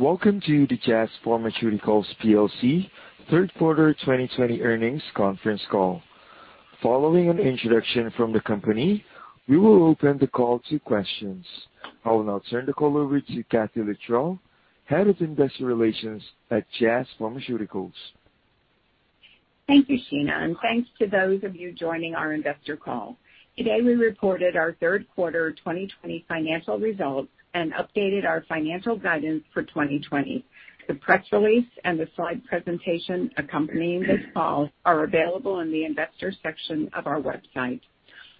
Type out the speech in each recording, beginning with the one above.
Welcome to the Jazz Pharmaceuticals PLC Q3 2020 earnings conference call. Following an introduction from the company, we will open the call to questions. I will now turn the call over to Kathee Littrell, Head of Investor Relations at Jazz Pharmaceuticals. Thank you, Shannon, and thanks to those of you joining our investor call. Today we reported our Q3 2020 financial results and updated our financial guidance for 2020. The press release and the slide presentation accompanying this call are available in the investor section of our website.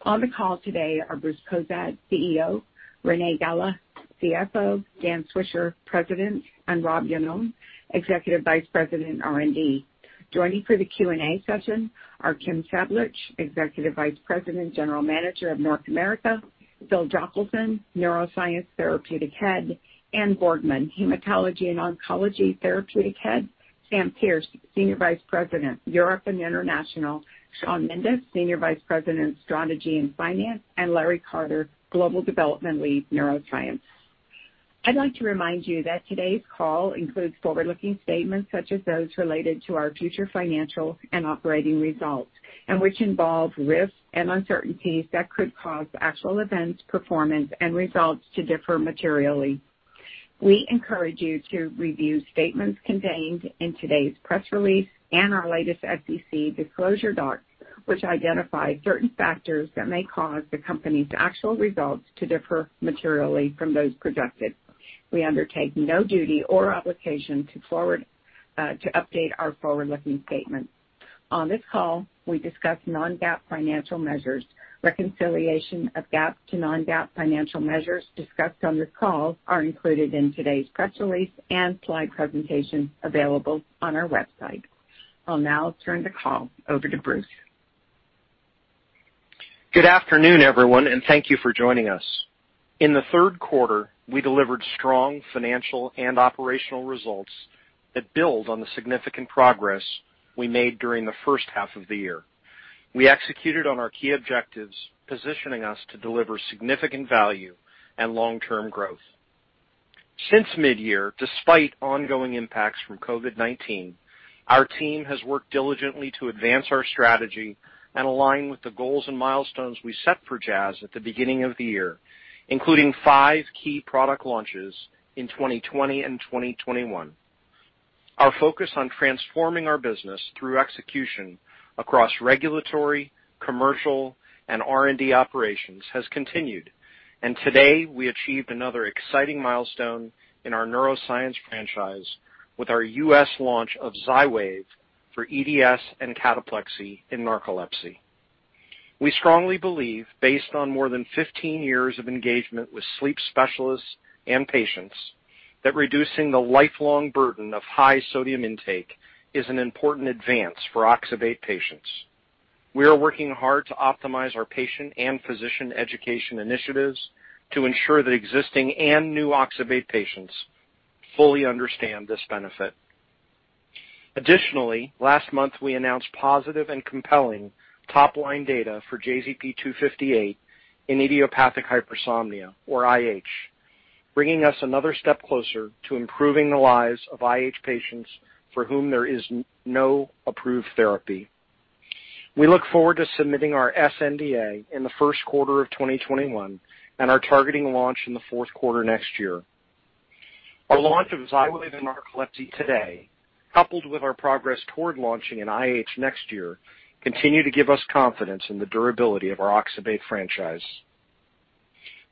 On the call today are Bruce Cozadd, CEO; Renee Gala, CFO; Dan Swisher, President; and Rob Iannone, Executive Vice President, R&D. Joining for the Q&A session are Kim Sablich, Executive Vice President, General Manager of North America; Phil Jochelson, Neuroscience Therapeutic Head; and Peter Boardman, Hematology and Oncology Therapeutic Head; Sam Pearce, Senior Vice President, Europe and International; Sean Mendes, Senior Vice President, Strategy and Finance; and Larry Carter, Global Development Lead, Neuroscience. I'd like to remind you that today's call includes forward-looking statements such as those related to our future financial and operating results, and which involve risks and uncertainties that could cause actual events, performance, and results to differ materially. We encourage you to review statements contained in today's press release and our latest SEC disclosure docs, which identify certain factors that may cause the company's actual results to differ materially from those projected. We undertake no duty or obligation to update our forward-looking statements. On this call, we discuss non-GAAP financial measures. Reconciliation of GAAP to non-GAAP financial measures discussed on this call are included in today's press release and slide presentation available on our website. I'll now turn the call over to Bruce. Good afternoon, everyone, and thank you for joining us. In the Q3, we delivered strong financial and operational results that build on the significant progress we made during the first half of the year. We executed on our key objectives, positioning us to deliver significant value and long-term growth. Since mid-year, despite ongoing impacts from COVID-19, our team has worked diligently to advance our strategy and align with the goals and milestones we set for Jazz at the beginning of the year, including five key product launches in 2020 and 2021. Our focus on transforming our business through execution across regulatory, commercial, and R&D operations has continued, and today we achieved another exciting milestone in our neuroscience franchise with our U.S. launch of Xywav for EDS and cataplexy in narcolepsy. We strongly believe, based on more than 15 years of engagement with sleep specialists and patients, that reducing the lifelong burden of high sodium intake is an important advance for oxybate patients. We are working hard to optimize our patient and physician education initiatives to ensure that existing and new oxybate patients fully understand this benefit. Additionally, last month we announced positive and compelling top-line data for JZP258 in idiopathic hypersomnia, or IH, bringing us another step closer to improving the lives of IH patients for whom there is no approved therapy. We look forward to submitting our sNDA in the Q1 of 2021 and our targeting launch in the Q4 next year. Our launch of Xywav in narcolepsy today, coupled with our progress toward launching in IH next year, continue to give us confidence in the durability of our oxybate franchise.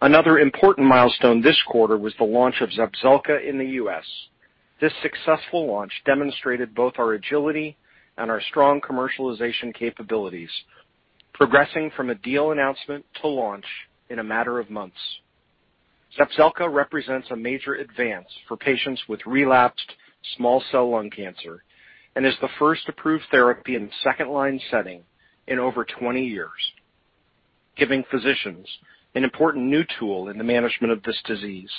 Another important milestone this quarter was the launch of Zepzelca in the U.S. This successful launch demonstrated both our agility and our strong commercialization capabilities, progressing from a deal announcement to launch in a matter of months. Zepzelca represents a major advance for patients with relapsed small cell lung cancer and is the first approved therapy in second-line setting in over 20 years, giving physicians an important new tool in the management of this disease.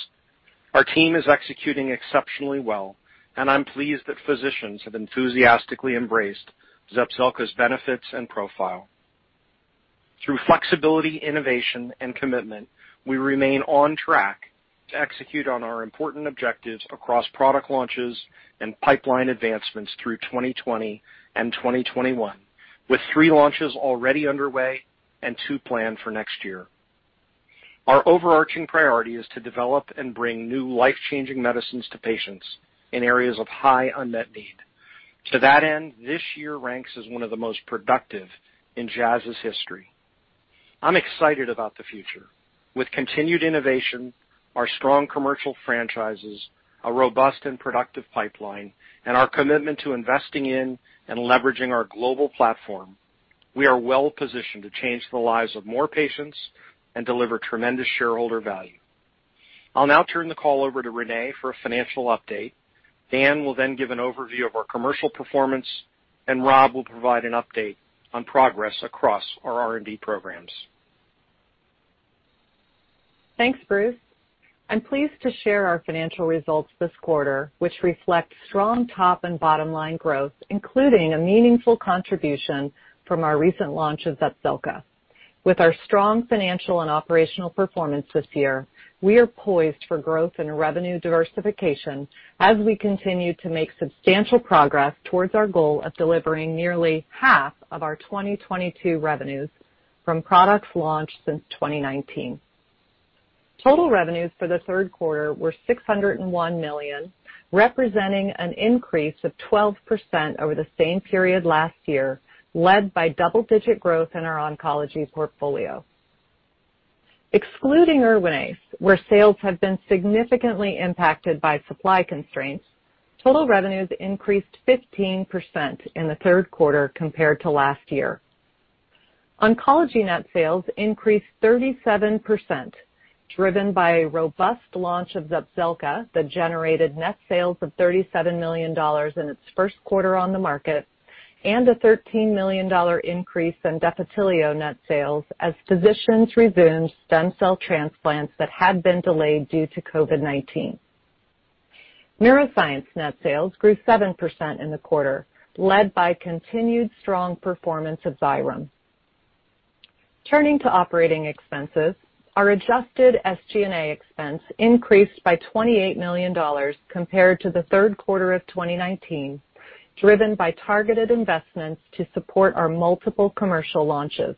Our team is executing exceptionally well, and I'm pleased that physicians have enthusiastically embraced Zepzelca's benefits and profile. Through flexibility, innovation, and commitment, we remain on track to execute on our important objectives across product launches and pipeline advancements through 2020 and 2021, with three launches already underway and two planned for next year. Our overarching priority is to develop and bring new life-changing medicines to patients in areas of high unmet need. To that end, this year ranks as one of the most productive in Jazz's history. I'm excited about the future. With continued innovation, our strong commercial franchises, a robust and productive pipeline, and our commitment to investing in and leveraging our global platform, we are well positioned to change the lives of more patients and deliver tremendous shareholder value. I'll now turn the call over to Renee for a financial update. Dan will then give an overview of our commercial performance, and Rob will provide an update on progress across our R&D programs. Thanks, Bruce. I'm pleased to share our financial results this quarter, which reflect strong top and bottom-line growth, including a meaningful contribution from our recent launch of Zepzelca. With our strong financial and operational performance this year, we are poised for growth in revenue diversification as we continue to make substantial progress towards our goal of delivering nearly half of our 2022 revenues from products launched since 2019. Total revenues for the Q3 were $601 million, representing an increase of 12% over the same period last year, led by double-digit growth in our oncology portfolio. Excluding Erwinaze, where sales have been significantly impacted by supply constraints, total revenues increased 15% in the Q3 compared to last year. Oncology net sales increased 37%, driven by a robust launch of Zepzelca that generated net sales of $37 million in its Q1 on the market and a $13 million increase in Erwinaze net sales as physicians resumed stem cell transplants that had been delayed due to COVID-19. Neuroscience net sales grew 7% in the quarter, led by continued strong performance of Xyrem. Turning to operating expenses, our adjusted SG&A expense increased by $28 million compared to the Q3 of 2019, driven by targeted investments to support our multiple commercial launches.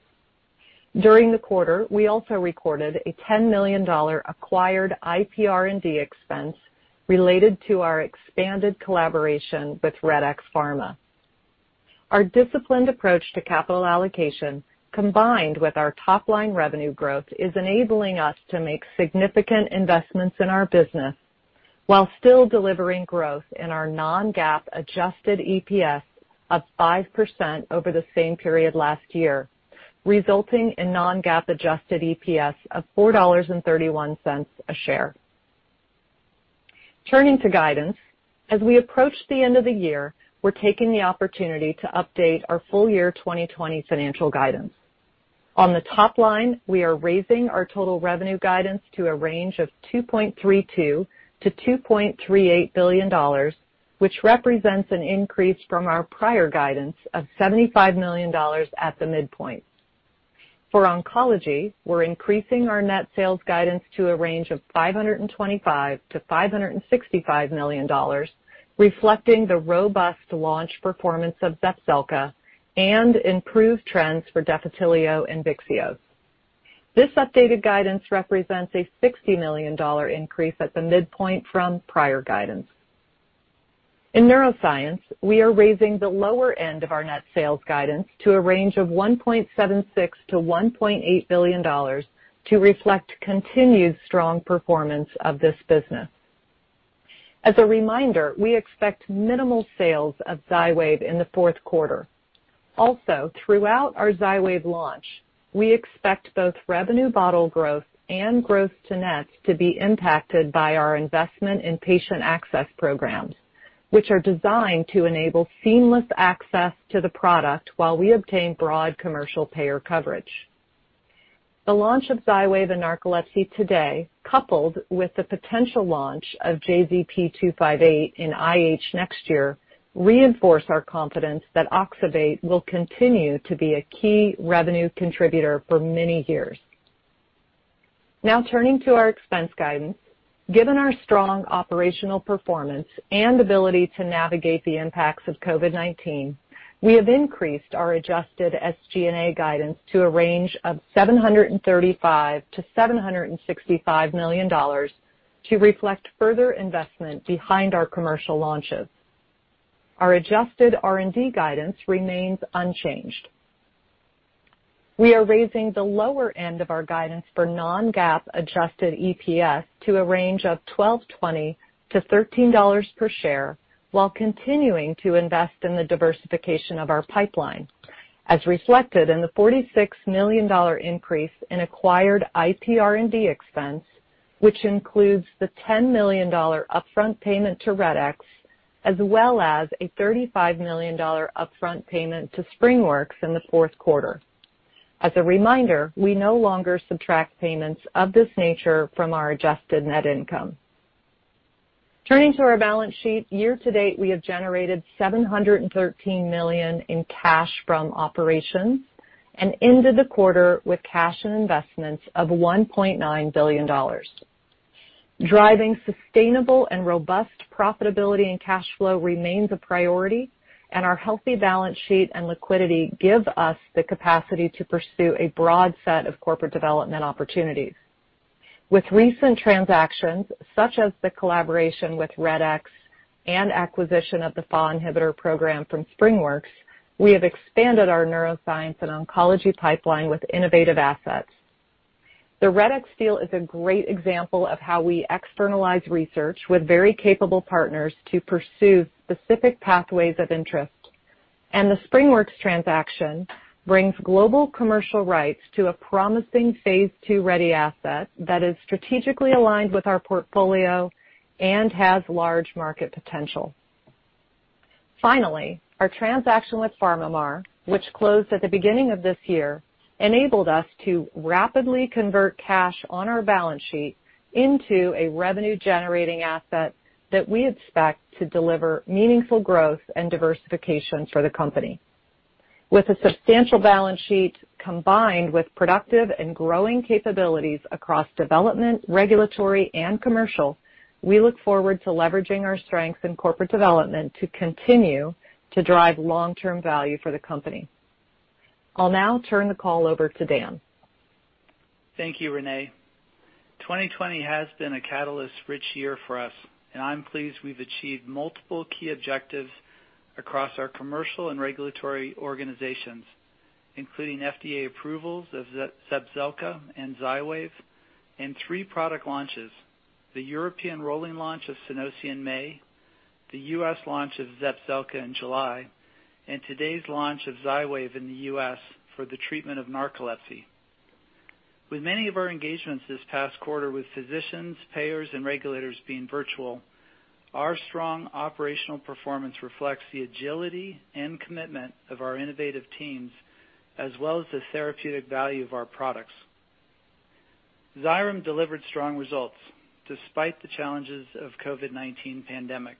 During the quarter, we also recorded a $10 million acquired IPR&D expense related to our expanded collaboration with Redx Pharma. Our disciplined approach to capital allocation, combined with our top-line revenue growth, is enabling us to make significant investments in our business while still delivering growth in our non-GAAP adjusted EPS of 5% over the same period last year, resulting in non-GAAP adjusted EPS of $4.31 a share. Turning to guidance, as we approach the end of the year, we're taking the opportunity to update our full year 2020 financial guidance. On the top line, we are raising our total revenue guidance to a range of $2.32 billion to 2.38 billion, which represents an increase from our prior guidance of $75 million at the midpoint. For oncology, we're increasing our net sales guidance to a range of $525 million to 565 million, reflecting the robust launch performance of Zepzelca and improved trends for Defitelio and Vyxeos. This updated guidance represents a $60 million increase at the midpoint from prior guidance. In neuroscience, we are raising the lower end of our net sales guidance to a range of $1.76 billion to 1.8 billion to reflect continued strong performance of this business. As a reminder, we expect minimal sales of Xywav in the Q4. Also, throughout our Xywav launch, we expect both revenue bottle growth and gross-to-nets to be impacted by our investment in patient access programs, which are designed to enable seamless access to the product while we obtain broad commercial payer coverage. The launch of Xywav in narcolepsy today, coupled with the potential launch of JZP258 in IH next year, reinforce our confidence that oxybate will continue to be a key revenue contributor for many years. Now, turning to our expense guidance, given our strong operational performance and ability to navigate the impacts of COVID-19, we have increased our adjusted SG&A guidance to a range of $735 million to 765 million to reflect further investment behind our commercial launches. Our adjusted R&D guidance remains unchanged. We are raising the lower end of our guidance for non-GAAP adjusted EPS to a range of $12.20 to $13 per share, while continuing to invest in the diversification of our pipeline, as reflected in the $46 million increase in acquired IPR&D expense, which includes the $10 million upfront payment to Redx, as well as a $35 million upfront payment to SpringWorks in the Q4. As a reminder, we no longer subtract payments of this nature from our adjusted net income. Turning to our balance sheet, year to date, we have generated $713 million in cash from operations and ended the quarter with cash and investments of $1.9 billion. Driving sustainable and robust profitability and cash flow remains a priority, and our healthy balance sheet and liquidity give us the capacity to pursue a broad set of corporate development opportunities. With recent transactions, such as the collaboration with Redx and acquisition of the FAAH inhibitor program from SpringWorks, we have expanded our neuroscience and oncology pipeline with innovative assets. The Redx deal is a great example of how we externalize research with very capable partners to pursue specific pathways of interest, and the SpringWorks transaction brings global commercial rights to a promising phase II ready asset that is strategically aligned with our portfolio and has large market potential. Finally, our transaction with PharmaMar, which closed at the beginning of this year, enabled us to rapidly convert cash on our balance sheet into a revenue-generating asset that we expect to deliver meaningful growth and diversification for the company. With a substantial balance sheet combined with productive and growing capabilities across development, regulatory, and commercial, we look forward to leveraging our strengths in corporate development to continue to drive long-term value for the company. I'll now turn the call over to Dan. Thank you, Renee. 2020 has been a catalyst-rich year for us, and I'm pleased we've achieved multiple key objectives across our commercial and regulatory organizations, including FDA approvals of Zepzelca and Xywav and three product launches: the European rolling launch of Sunosi, the U.S. launch of Zepzelca in July, and today's launch of Xywav in the U.S. for the treatment of narcolepsy. With many of our engagements this past quarter with physicians, payers, and regulators being virtual, our strong operational performance reflects the agility and commitment of our innovative teams, as well as the therapeutic value of our products. Xyrem delivered strong results despite the challenges of the COVID-19 pandemic.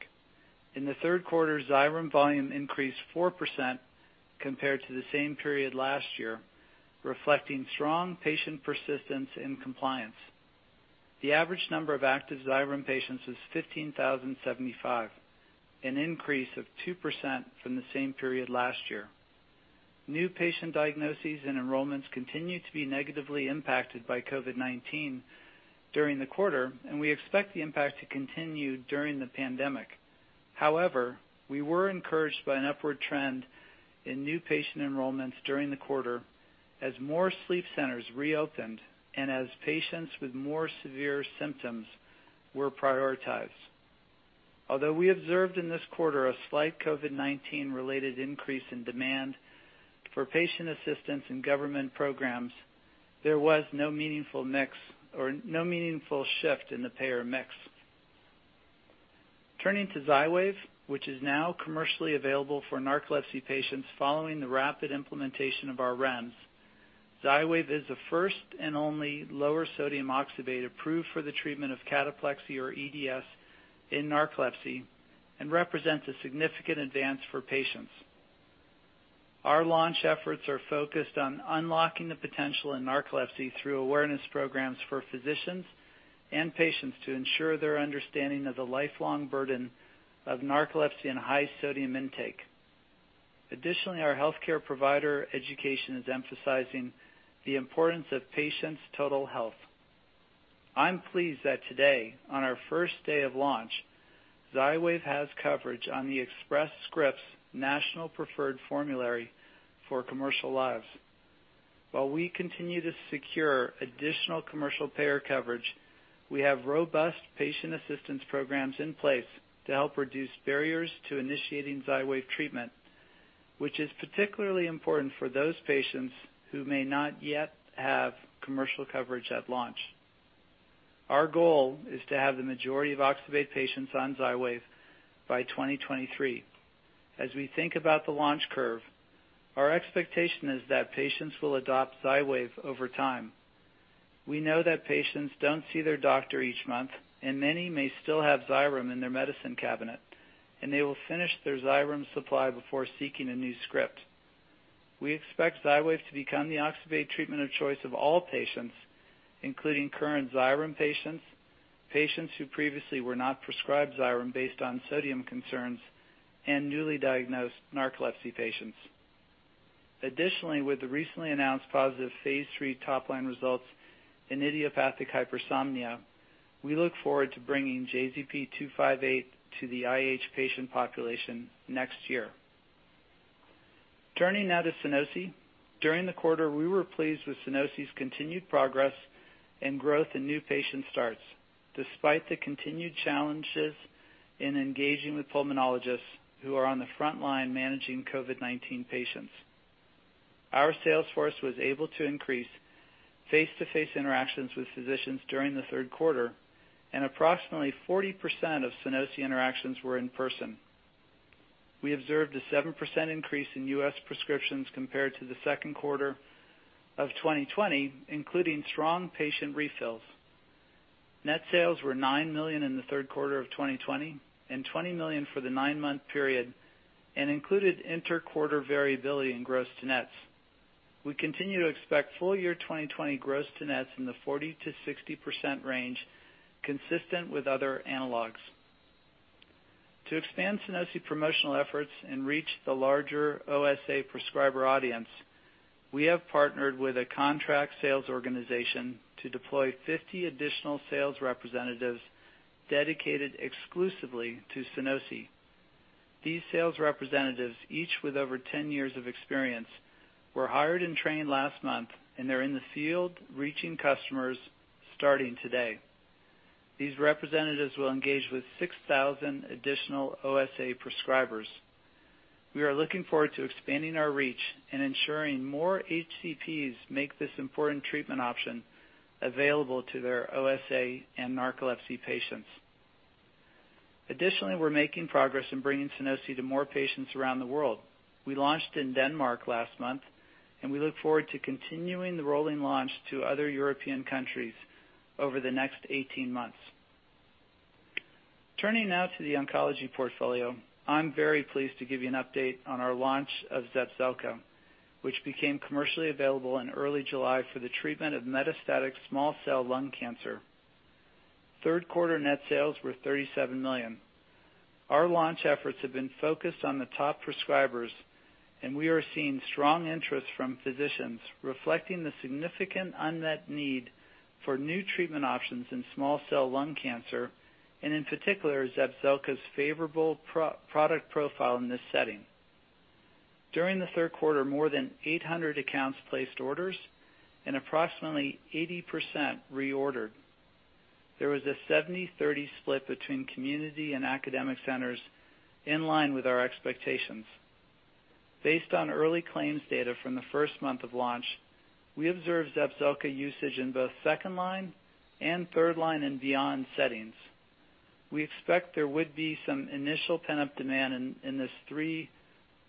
In the Q3, Xyrem volume increased 4% compared to the same period last year, reflecting strong patient persistence and compliance. The average number of active Xyrem patients was 15,075, an increase of 2% from the same period last year. New patient diagnoses and enrollments continued to be negatively impacted by COVID-19 during the quarter, and we expect the impact to continue during the pandemic. However, we were encouraged by an upward trend in new patient enrollments during the quarter as more sleep centers reopened and as patients with more severe symptoms were prioritized. Although we observed in this quarter a slight COVID-19-related increase in demand for patient assistance and government programs, there was no meaningful shift in the payer mix. Turning to Xywav, which is now commercially available for narcolepsy patients following the rapid implementation of our REMS, Xywav is the first and only lower-sodium oxybate approved for the treatment of cataplexy or EDS in narcolepsy and represents a significant advance for patients. Our launch efforts are focused on unlocking the potential in narcolepsy through awareness programs for physicians and patients to ensure their understanding of the lifelong burden of narcolepsy and high sodium intake. Additionally, our healthcare provider education is emphasizing the importance of patients' total health. I'm pleased that today, on our first day of launch, Xywav has coverage on the Express Scripts National Preferred Formulary for Commercial Lives. While we continue to secure additional commercial payer coverage, we have robust patient assistance programs in place to help reduce barriers to initiating Xywav treatment, which is particularly important for those patients who may not yet have commercial coverage at launch. Our goal is to have the majority of oxybate patients on Xywav by 2023. As we think about the launch curve, our expectation is that patients will adopt Xywav over time. We know that patients don't see their doctor each month, and many may still have Xyrem in their medicine cabinet, and they will finish their Xyrem supply before seeking a new script. We expect Xywav to become the oxybate treatment of choice of all patients, including current Xyrem patients, patients who previously were not prescribed Xyrem based on sodium concerns, and newly diagnosed narcolepsy patients. Additionally, with the recently announced positive phase III top-line results in idiopathic hypersomnia, we look forward to bringing JZP258 to the IH patient population next year. Turning now to Sunosi. During the quarter, we were pleased with Sunosi's continued progress and growth in new patient starts, despite the continued challenges in engaging with pulmonologists who are on the front line managing COVID-19 patients. Our sales force was able to increase face-to-face interactions with physicians during the Q3, and approximately 40% of Sunosi interactions were in person. We observed a 7% increase in U.S. prescriptions compared to the Q2 of 2020, including strong patient refills. Net sales were $9 million in the Q3 of 2020 and $20 million for the nine-month period, and included interquarter variability in gross-to-nets. We continue to expect full year 2020 gross-to-nets in the 40% to 60% range, consistent with other analogs. To expand Sunosi promotional efforts and reach the larger OSA prescriber audience, we have partnered with a contract sales organization to deploy 50 additional sales representatives dedicated exclusively to Sunosi. These sales representatives, each with over 10 years of experience, were hired and trained last month, and they're in the field reaching customers starting today. These representatives will engage with 6,000 additional OSA prescribers. We are looking forward to expanding our reach and ensuring more HCPs make this important treatment option available to their OSA and narcolepsy patients. Additionally, we're making progress in bringing Sunosi to more patients around the world. We launched in Denmark last month, and we look forward to continuing the rolling launch to other European countries over the next 18 months. Turning now to the oncology portfolio, I'm very pleased to give you an update on our launch of Zepzelca, which became commercially available in early July for the treatment of metastatic small cell lung cancer. Q3 net sales were $37 million. Our launch efforts have been focused on the top prescribers, and we are seeing strong interest from physicians, reflecting the significant unmet need for new treatment options in small cell lung cancer, and in particular, Zepzelca's favorable product profile in this setting. During the Q3, more than 800 accounts placed orders, and approximately 80% reordered. There was a 70/30 split between community and academic centers, in line with our expectations. Based on early claims data from the first month of launch, we observed Zepzelca usage in both second line and third line and beyond settings. We expect there would be some initial pent-up demand in this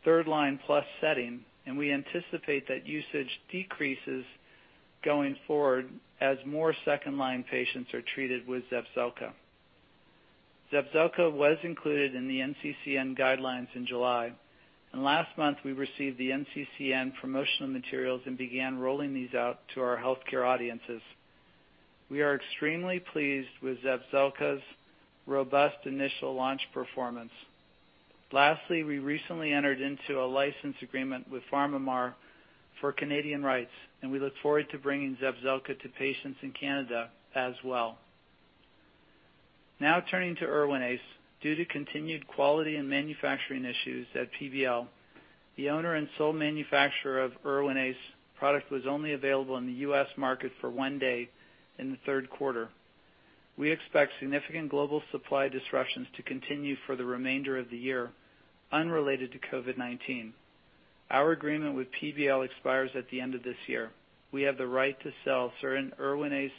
third line plus setting, and we anticipate that usage decreases going forward as more second line patients are treated with Zepzelca. Zepzelca was included in the NCCN Guidelines in July, and last month we received the NCCN promotional materials and began rolling these out to our healthcare audiences. We are extremely pleased with Zepzelca's robust initial launch performance. Lastly, we recently entered into a license agreement with PharmaMar for Canadian rights, and we look forward to bringing Zepzelca to patients in Canada as well. Now, turning to Erwinaze, due to continued quality and manufacturing issues at PBL, the owner and sole manufacturer of Erwinaze product was only available in the U.S. market for one day in the Q3. We expect significant global supply disruptions to continue for the remainder of the year, unrelated to COVID-19. Our agreement with PBL expires at the end of this year. We have the right to sell certain Erwinaze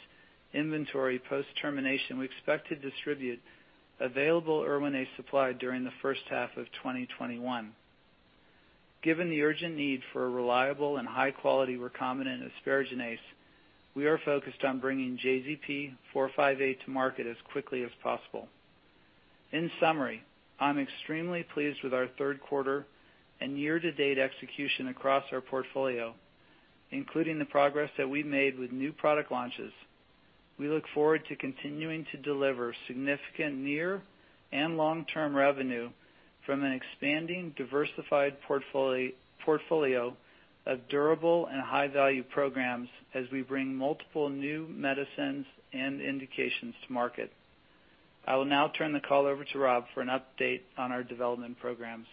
inventory post-termination, we expect to distribute available Erwinaze supply during the first half of 2021. Given the urgent need for a reliable and high-quality recombinant asparaginase, we are focused on bringing JZP458 to market as quickly as possible. In summary, I'm extremely pleased with our Q3 and year-to-date execution across our portfolio, including the progress that we've made with new product launches. We look forward to continuing to deliver significant near and long-term revenue from an expanding, diversified portfolio of durable and high-value programs as we bring multiple new medicines and indications to market. I will now turn the call over to Rob for an update on our development programs.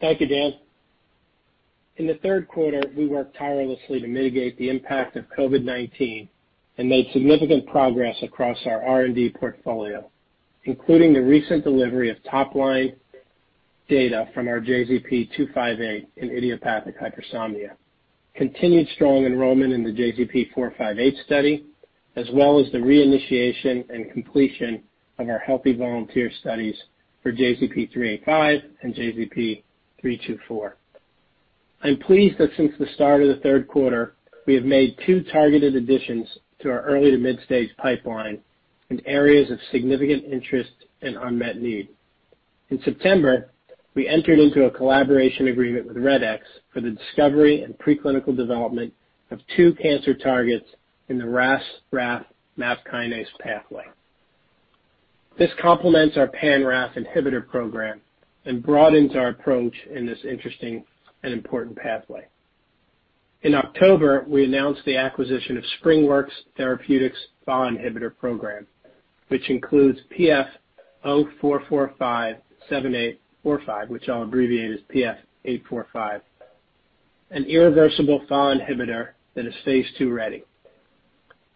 Thank you, Dan. In the Q3, we worked tirelessly to mitigate the impact of COVID-19 and made significant progress across our R&D portfolio, including the recent delivery of top-line data from our JZP258 in idiopathic hypersomnia, continued strong enrollment in the JZP458 study, as well as the reinitiation and completion of our healthy volunteer studies for JZP385 and JZP324. I'm pleased that since the start of the Q3, we have made two targeted additions to our early to mid-stage pipeline in areas of significant interest and unmet need. In September, we entered into a collaboration agreement with REDx for the discovery and preclinical development of two cancer targets in the RAS/RAF/MAP kinase pathway. This complements our pan-RAF inhibitor program and broadens our approach in this interesting and important pathway. In October, we announced the acquisition of SpringWorks Therapeutics FAAH inhibitor program, which includes PF-04457845, which I'll abbreviate as PF845, an irreversible FAAH inhibitor that is phase II ready.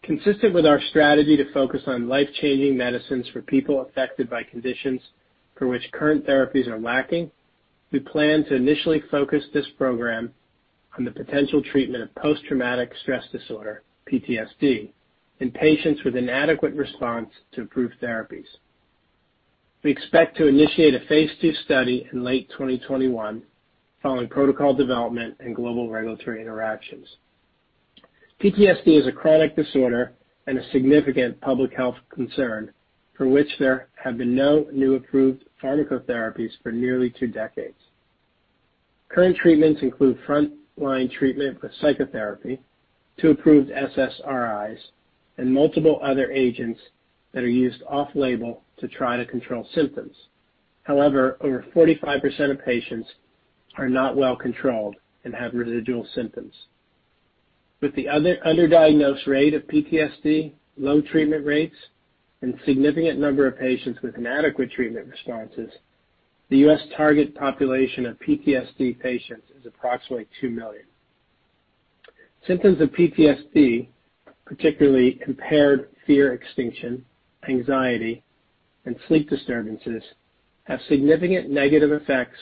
Consistent with our strategy to focus on life-changing medicines for people affected by conditions for which current therapies are lacking, we plan to initially focus this program on the potential treatment of post-traumatic stress disorder, PTSD, in patients with inadequate response to approved therapies. We expect to initiate a phase II study in late 2021, following protocol development and global regulatory interactions. PTSD is a chronic disorder and a significant public health concern for which there have been no new approved pharmacotherapies for nearly two decades. Current treatments include front-line treatment with psychotherapy, two approved SSRIs, and multiple other agents that are used off-label to try to control symptoms. However, over 45% of patients are not well controlled and have residual symptoms. With the underdiagnosed rate of PTSD, low treatment rates, and significant number of patients with inadequate treatment responses, the U.S. target population of PTSD patients is approximately 2 million. Symptoms of PTSD, particularly impaired fear extinction, anxiety, and sleep disturbances, have significant negative effects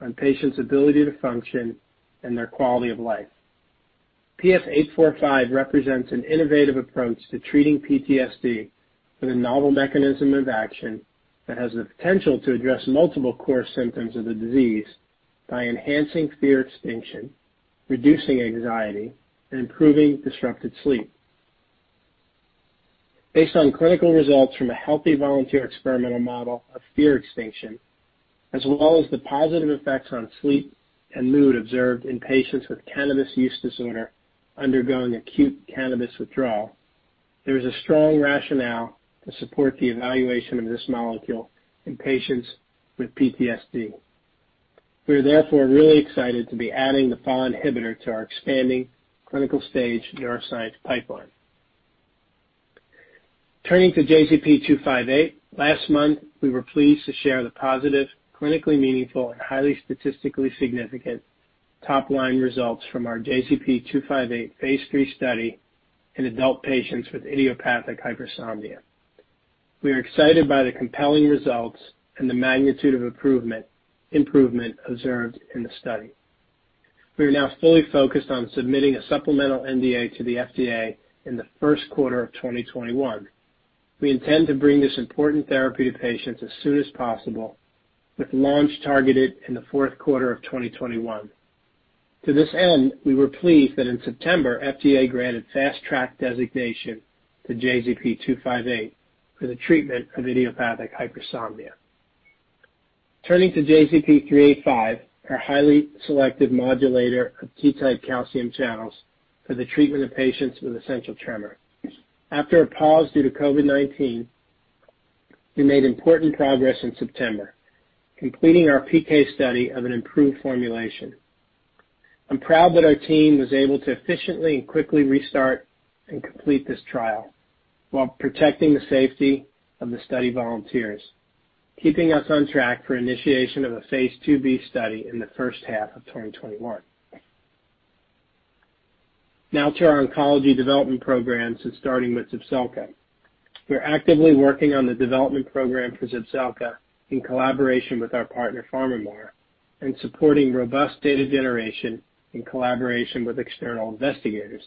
on patients' ability to function and their quality of life. PF845 represents an innovative approach to treating PTSD with a novel mechanism of action that has the potential to address multiple core symptoms of the disease by enhancing fear extinction, reducing anxiety, and improving disrupted sleep. Based on clinical results from a healthy volunteer experimental model of fear extinction, as well as the positive effects on sleep and mood observed in patients with cannabis use disorder undergoing acute cannabis withdrawal, there is a strong rationale to support the evaluation of this molecule in patients with PTSD. We are therefore really excited to be adding the FAAH inhibitor to our expanding clinical stage neuroscience pipeline. Turning to JZP258, last month we were pleased to share the positive, clinically meaningful, and highly statistically significant top-line results from our JZP258 phase III study in adult patients with idiopathic hypersomnia. We are excited by the compelling results and the magnitude of improvement observed in the study. We are now fully focused on submitting a supplemental NDA to the FDA in the Q1 of 2021. We intend to bring this important therapy to patients as soon as possible, with launch targeted in the Q4 of 2021. To this end, we were pleased that in September, FDA granted fast-track designation to JZP258 for the treatment of idiopathic hypersomnia. Turning to JZP385, our highly selective modulator of T-type calcium channels for the treatment of patients with essential tremor. After a pause due to COVID-19, we made important progress in September, completing our PK study of an improved formulation. I'm proud that our team was able to efficiently and quickly restart and complete this trial while protecting the safety of the study volunteers, keeping us on track for initiation of a phase II-b study in the first half of 2021. Now to our oncology development programs and starting with Zepzelca. We're actively working on the development program for Zepzelca in collaboration with our partner PharmaMar and supporting robust data generation in collaboration with external investigators.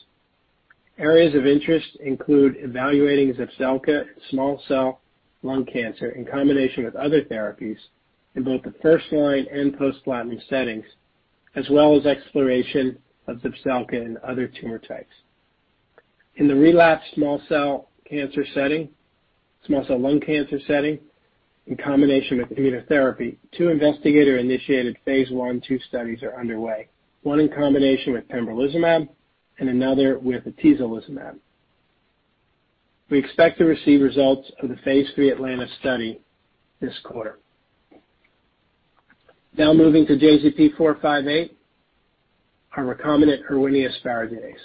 Areas of interest include evaluating Zepzelca small cell lung cancer in combination with other therapies in both the first line and post-platinum settings, as well as exploration of Zepzelca in other tumor types. In the relapsed small cell lung cancer setting, in combination with immunotherapy, two investigator-initiated phase I & II studies are underway, one in combination with pembrolizumab and another with atezolizumab. We expect to receive results of the phase III ATLANTIS study this quarter. Now moving to JZP458, our recombinant Erwinia asparaginase.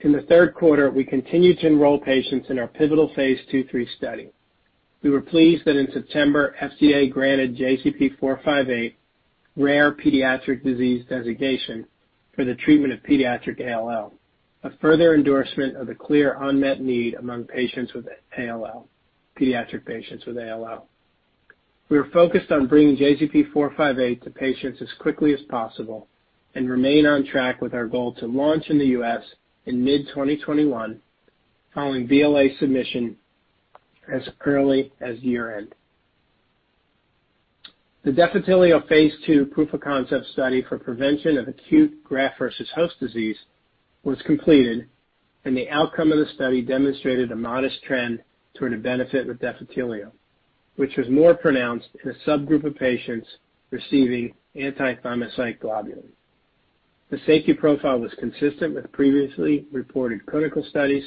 In the Q3, we continue to enroll patients in our pivotal phase II & III study. We were pleased that in September, FDA granted JZP458 rare pediatric disease designation for the treatment of pediatric ALL, a further endorsement of the clear unmet need among patients with ALL, pediatric patients with ALL. We are focused on bringing JZP458 to patients as quickly as possible and remain on track with our goal to launch in the U.S. in mid-2021, following BLA submission as early as year-end. The Defitelio phase II proof of concept study for prevention of acute graft versus host disease was completed, and the outcome of the study demonstrated a modest trend toward a benefit with Defitelio, which was more pronounced in a subgroup of patients receiving anti-thymocyte globulin. The safety profile was consistent with previously reported clinical studies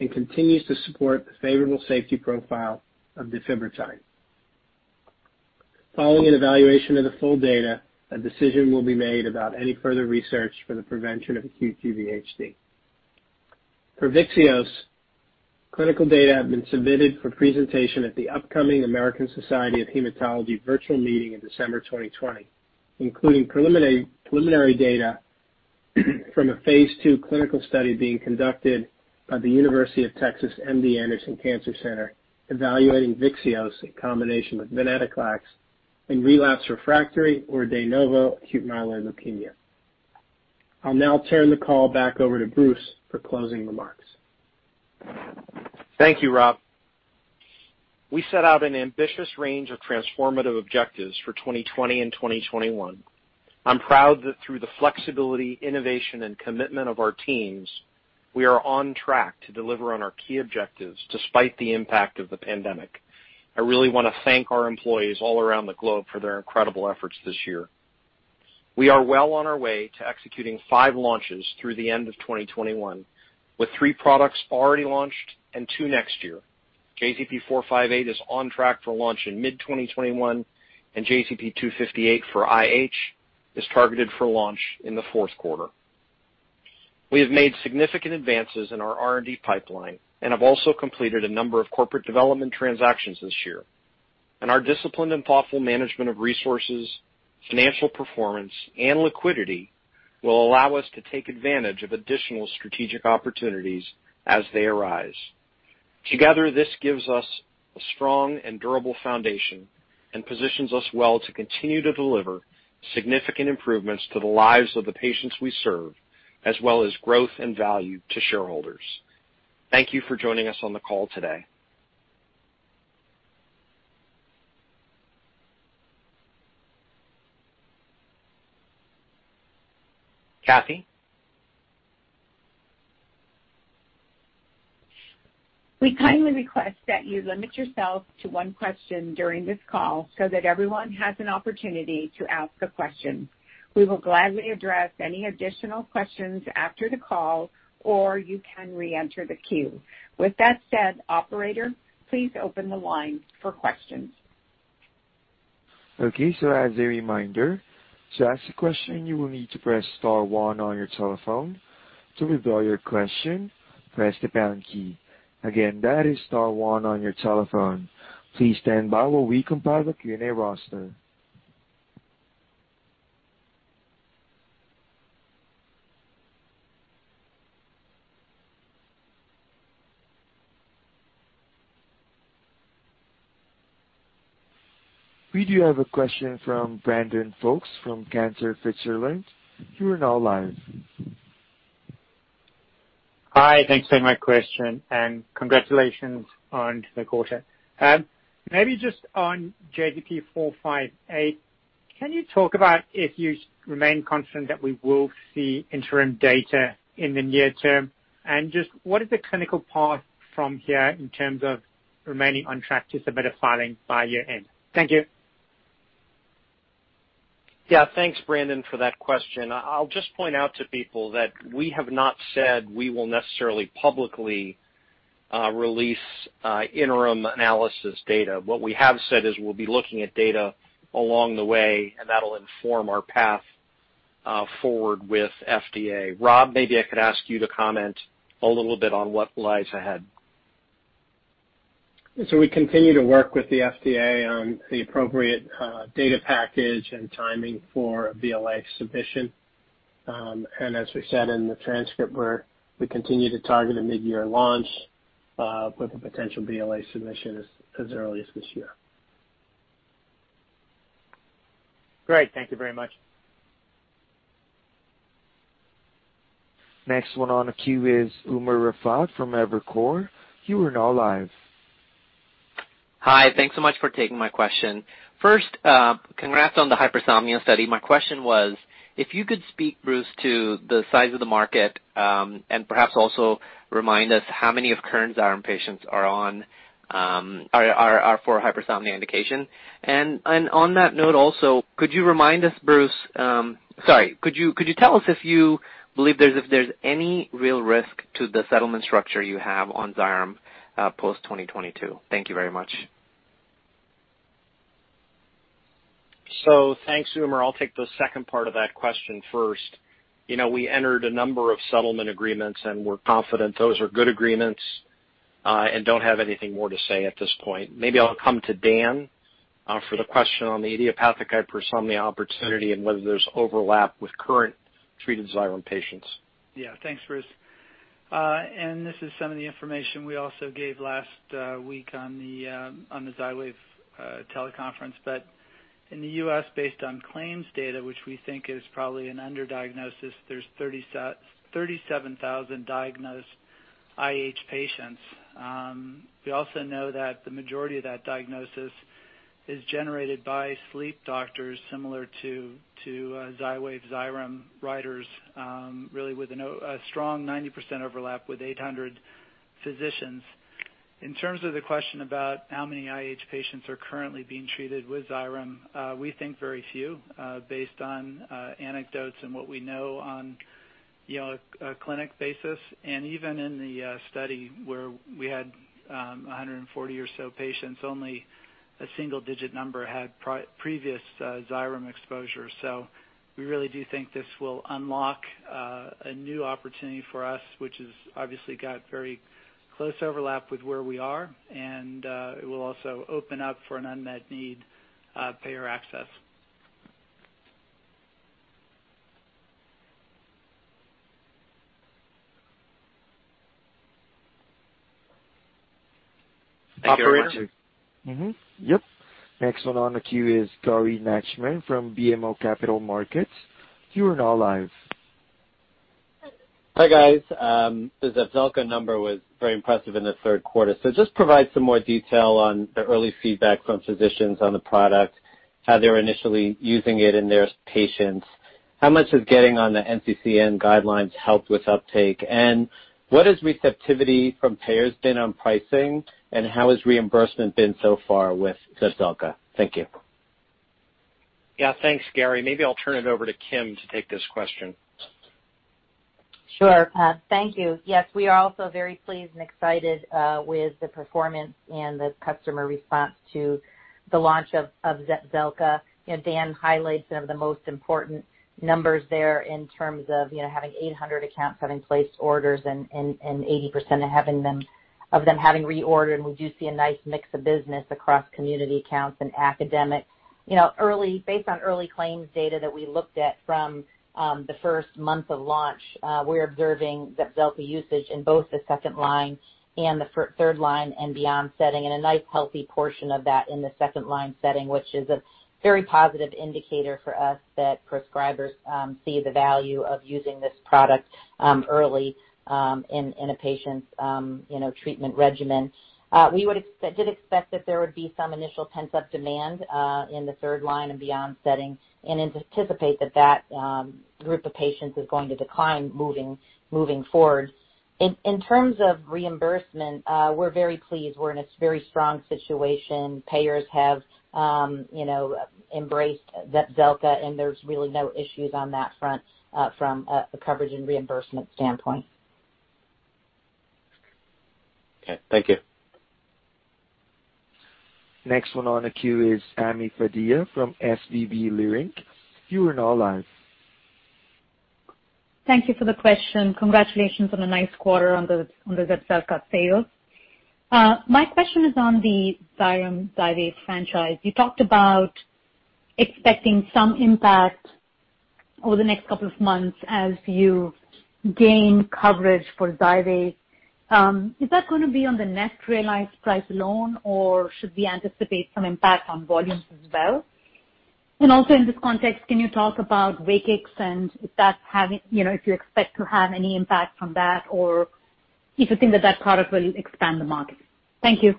and continues to support the favorable safety profile of Defitelio. Following an evaluation of the full data, a decision will be made about any further research for the prevention of acute GVHD. For Vyxeos, clinical data have been submitted for presentation at the upcoming American Society of Hematology virtual meeting in December 2020, including preliminary data from a phase II clinical study being conducted by the University of Texas MD Anderson Cancer Center evaluating Vyxeos in combination with venetoclax in relapsed refractory or de novo acute myeloid leukemia. I'll now turn the call back over to Bruce for closing remarks. Thank you, Rob. We set out an ambitious range of transformative objectives for 2020 and 2021. I'm proud that through the flexibility, innovation, and commitment of our teams, we are on track to deliver on our key objectives despite the impact of the pandemic. I really want to thank our employees all around the globe for their incredible efforts this year. We are well on our way to executing five launches through the end of 2021, with three products already launched and two next year. JZP458 is on track for launch in mid-2021, and JZP258 for IH is targeted for launch in the Q4. We have made significant advances in our R&D pipeline and have also completed a number of corporate development transactions this year. And our disciplined and thoughtful management of resources, financial performance, and liquidity will allow us to take advantage of additional strategic opportunities as they arise. Together, this gives us a strong and durable foundation and positions us well to continue to deliver significant improvements to the lives of the patients we serve, as well as growth and value to shareholders. Thank you for joining us on the call today. Kathee. We kindly request that you limit yourself to one question during this call so that everyone has an opportunity to ask a question. We will gladly address any additional questions after the call, or you can re-enter the queue. With that said, operator, please open the line for questions. Okay, so as a reminder, to ask a question, you will need to press star one on your telephone. To withdraw your question, press the pound key. Again, that is star one on your telephone. Please stand by while we compile the Q&A roster. We do have a question from Brandon Folkes from Cantor Fitzgerald. You are now live. Hi, thanks for my question, and congratulations on the quarter. Maybe just on JZP458, can you talk about if you remain confident that we will see interim data in the near term? And just what is the clinical path from here in terms of remaining on track to submit a filing by year-end? Thank you. Yeah, thanks, Brandon, for that question. I'll just point out to people that we have not said we will necessarily publicly release interim analysis data. What we have said is we'll be looking at data along the way, and that'll inform our path forward with FDA. Rob, maybe I could ask you to comment a little bit on what lies ahead. So we continue to work with the FDA on the appropriate data package and timing for a BLA submission. And as we said in the transcript, we continue to target a mid-year launch with a potential BLA submission as early as this year. Great, thank you very much. Next one on the queue is Umer Raffat from Evercore. You are now live. Hi, thanks so much for taking my question. First, congrats on the hypersomnia study. My question was, if you could speak, Bruce, to the size of the market and perhaps also remind us how many of current Xyrem patients are on for hypersomnia indication. And on that note also, could you remind us, Bruce, sorry, could you tell us if you believe there's any real risk to the settlement structure you have on Xyrem post-2022? Thank you very much. So thanks, Umer. I'll take the second part of that question first. We entered a number of settlement agreements, and we're confident those are good agreements and don't have anything more to say at this point. Maybe I'll come to Dan for the question on the idiopathic hypersomnia opportunity and whether there's overlap with current treated Xyrem patients. Yeah, thanks, Bruce. And this is some of the information we also gave last week on the Xywav teleconference. But in the U.S., based on claims data, which we think is probably an underdiagnosis, there's 37,000 diagnosed IH patients. We also know that the majority of that diagnosis is generated by sleep doctors, similar to Xywav Xyrem writers, really with a strong 90% overlap with 800 physicians. In terms of the question about how many IH patients are currently being treated with Xyrem, we think very few, based on anecdotes and what we know on a clinic basis. And even in the study where we had 140 or so patients, only a single digit number had previous Xyrem exposure. So we really do think this will unlock a new opportunity for us, which has obviously got very close overlap with where we are, and it will also open up for an unmet need payer access. Thank you, Roger. Yep. Next one on the queue is Gary Nachman from BMO Capital Markets. You are now live. Hi guys. The Zepzelca number was very impressive in the Q3, so just provide some more detail on the early feedback from physicians on the product, how they were initially using it in their patients. How much has getting on the NCCN guidelines helped with uptake? And what has receptivity from payers been on pricing, and how has reimbursement been so far with Zepzelca? Thank you. Yeah, thanks, Gary. Maybe I'll turn it over to Kim to take this question. Sure, thank you. Yes, we are also very pleased and excited with the performance and the customer response to the launch of Zepzelca. Dan highlights some of the most important numbers there in terms of having 800 accounts having placed orders and 80% of them having reordered. And we do see a nice mix of business across community accounts and academic. Based on early claims data that we looked at from the first month of launch, we're observing Zepzelca usage in both the second-line and the third-line and beyond setting, and a nice healthy portion of that in the second-line setting, which is a very positive indicator for us that prescribers see the value of using this product early in a patient's treatment regimen. We did expect that there would be some initial pent-up demand in the third line and beyond setting, and anticipate that that group of patients is going to decline moving forward. In terms of reimbursement, we're very pleased. We're in a very strong situation. Payers have embraced Zepzelca, and there's really no issues on that front from a coverage and reimbursement standpoint. Okay, thank you. Next one on the queue is Ami Fadia from SVB Leerink. You are now live. Thank you for the question. Congratulations on a nice quarter on the Zepzelca sales. My question is on the Xyrem Xywav franchise. You talked about expecting some impact over the next couple of months as you gain coverage for Xywav. Is that going to be on the net realized price alone, or should we anticipate some impact on volumes as well? And also in this context, can you talk about Wakix and if that's having—if you expect to have any impact from that, or if you think that that product will expand the market? Thank you.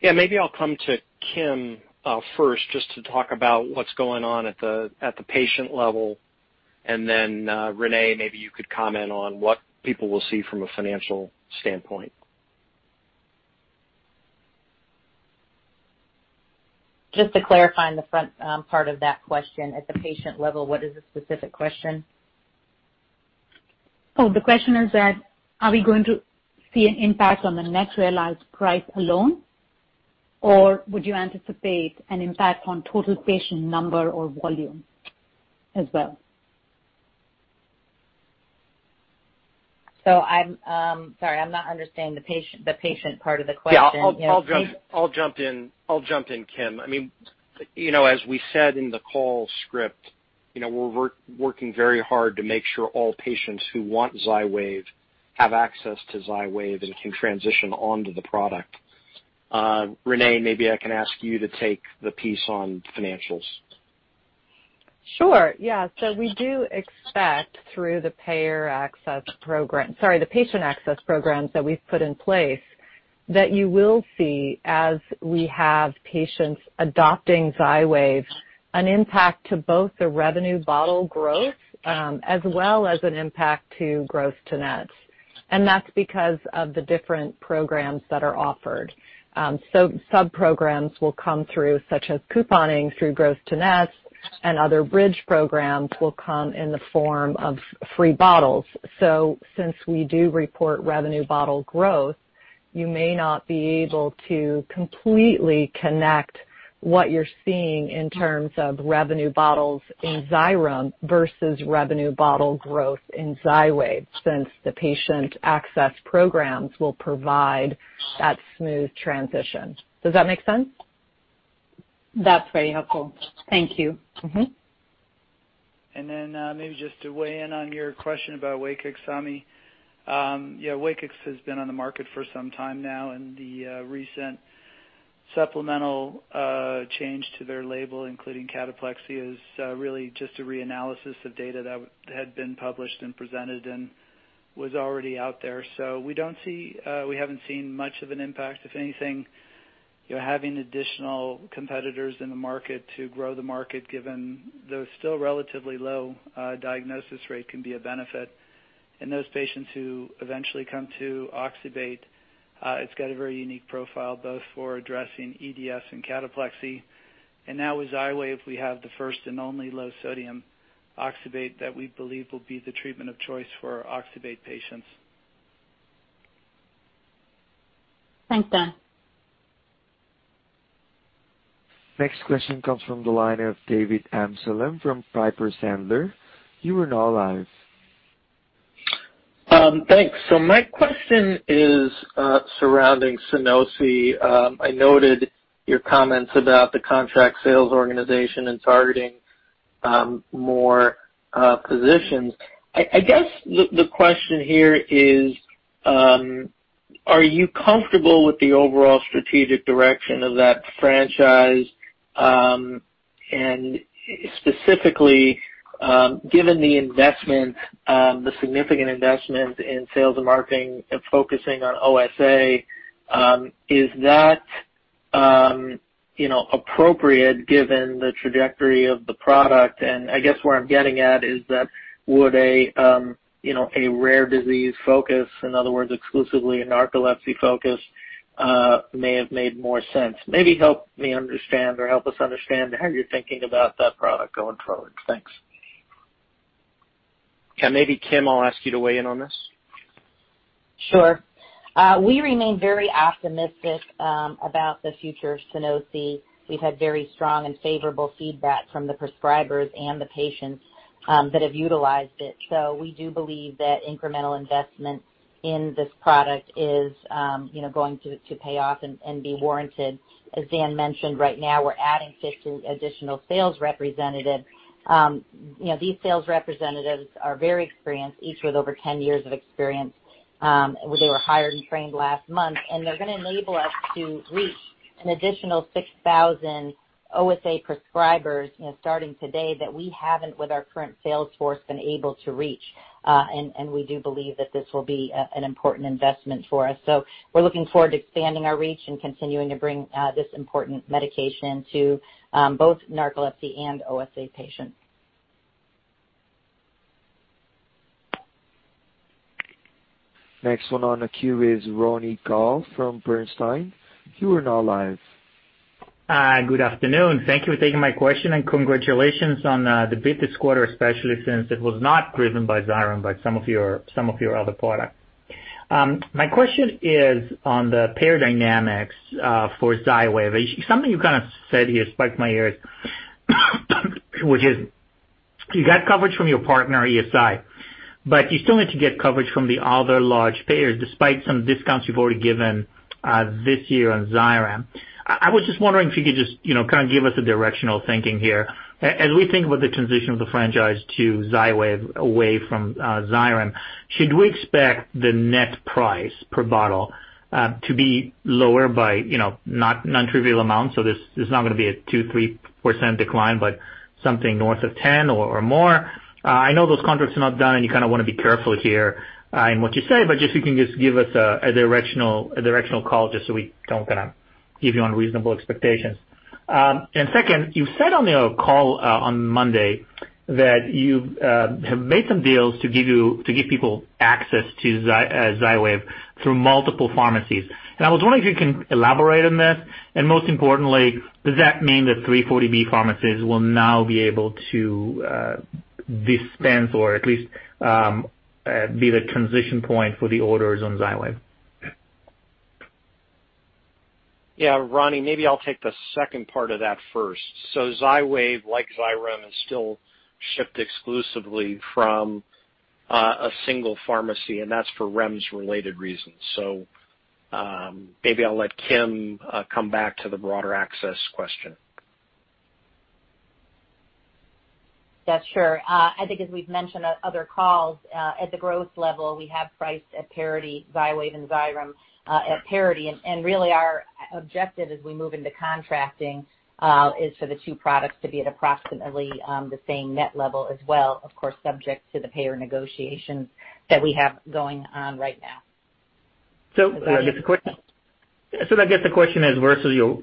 Yeah, maybe I'll come to Kim first just to talk about what's going on at the patient level, and then Renee, maybe you could comment on what people will see from a financial standpoint. Just to clarify on the front part of that question, at the patient level, what is the specific question? Oh, the question is that, are we going to see an impact on the net realized price alone, or would you anticipate an impact on total patient number or volume as well? So I'm sorry, I'm not understanding the patient part of the question. I'll jump in, Kim. I mean, as we said in the call script, we're working very hard to make sure all patients who want Xywav have access to Xywav and can transition onto the product. Renee, maybe I can ask you to take the piece on financials. Sure, yeah. So we do expect through the payer access program, sorry, the patient access programs that we've put in place, that you will see, as we have patients adopting Xywav, an impact to both the revenue bottle growth as well as an impact to gross to net. And that's because of the different programs that are offered. So subprograms will come through, such as couponing through gross to net, and other bridge programs will come in the form of free bottles. So since we do report revenue bottle growth, you may not be able to completely connect what you're seeing in terms of revenue bottles in Xyrem versus revenue bottle growth in Xywav, since the patient access programs will provide that smooth transition. Does that make sense? That's very helpful. Thank you. And then maybe just to weigh in on your question about Wakix, Ami. Yeah, Wakix has been on the market for some time now, and the recent supplemental change to their label, including cataplexy, is really just a reanalysis of data that had been published and presented and was already out there. So we don't see, we haven't seen much of an impact. If anything, having additional competitors in the market to grow the market, given the still relatively low diagnosis rate, can be a benefit. And those patients who eventually come to oxybate, it's got a very unique profile, both for addressing EDS and cataplexy. And now with Xywav, we have the first and only low-sodium oxybate that we believe will be the treatment of choice for oxybate patients. Thanks, Dan. Next question comes from the line of David Amsellem from Piper Sandler. You are now live. Thanks. So, my question is surrounding Sunosi. I noted your comments about the contract sales organization and targeting more positions. I guess the question here is, are you comfortable with the overall strategic direction of that franchise? And specifically, given the investment, the significant investment in sales and marketing and focusing on OSA, is that appropriate given the trajectory of the product? And I guess where I'm getting at is that would a rare disease focus, in other words, exclusively a narcolepsy focus, may have made more sense? Maybe help me understand or help us understand how you're thinking about that product going forward. Thanks. Yeah, maybe Kim, I'll ask you to weigh in on this. Sure. We remain very optimistic about the future of Sunosi. We've had very strong and favorable feedback from the prescribers and the patients that have utilized it. So we do believe that incremental investment in this product is going to pay off and be warranted. As Dan mentioned, right now we're adding 50 additional sales representatives. These sales representatives are very experienced, each with over 10 years of experience. They were hired and trained last month, and they're going to enable us to reach an additional 6,000 OSA prescribers starting today that we haven't, with our current sales force, been able to reach. And we do believe that this will be an important investment for us. So we're looking forward to expanding our reach and continuing to bring this important medication to both narcolepsy and OSA patients. Next one on the queue is Ronny Gal from Bernstein. You are now live. Good afternoon. Thank you for taking my question, and congratulations on the beat this quarter, especially since it was not driven by Xyrem, but some of your other products. My question is on the payer dynamics for Xywav. Something you kind of said here perked my ears, which is you got coverage from your partner, ESI, but you still need to get coverage from the other large payers, despite some discounts you've already given this year on Xyrem. I was just wondering if you could just kind of give us a directional thinking here. As we think about the transition of the franchise to Xywav away from Xyrem, should we expect the net price per bottle to be lower by non-trivial amounts? So this is not going to be a 2% to 3% decline, but something north of 10% or more. I know those contracts are not done, and you kind of want to be careful here in what you say, but just if you can just give us a directional call, just so we don't kind of give you unreasonable expectations. And second, you said on the call on Monday that you have made some deals to give people access to Xywav through multiple pharmacies. And I was wondering if you can elaborate on this. And most importantly, does that mean that 340B pharmacies will now be able to dispense or at least be the transition point for the orders on Xywav? Yeah, Ronny, maybe I'll take the second part of that first. So Xywav, like Xyrem, is still shipped exclusively from a single pharmacy, and that's for REMS-related reasons. So maybe I'll let Kim come back to the broader access question. Yes, sure. I think as we've mentioned on other calls, at the gross level, we have priced at parity, Xywav and Xyrem at parity. And really our objective, as we move into contracting, is for the two products to be at approximately the same net level as well, of course, subject to the payer negotiations that we have going on right now. So I guess the question is versus your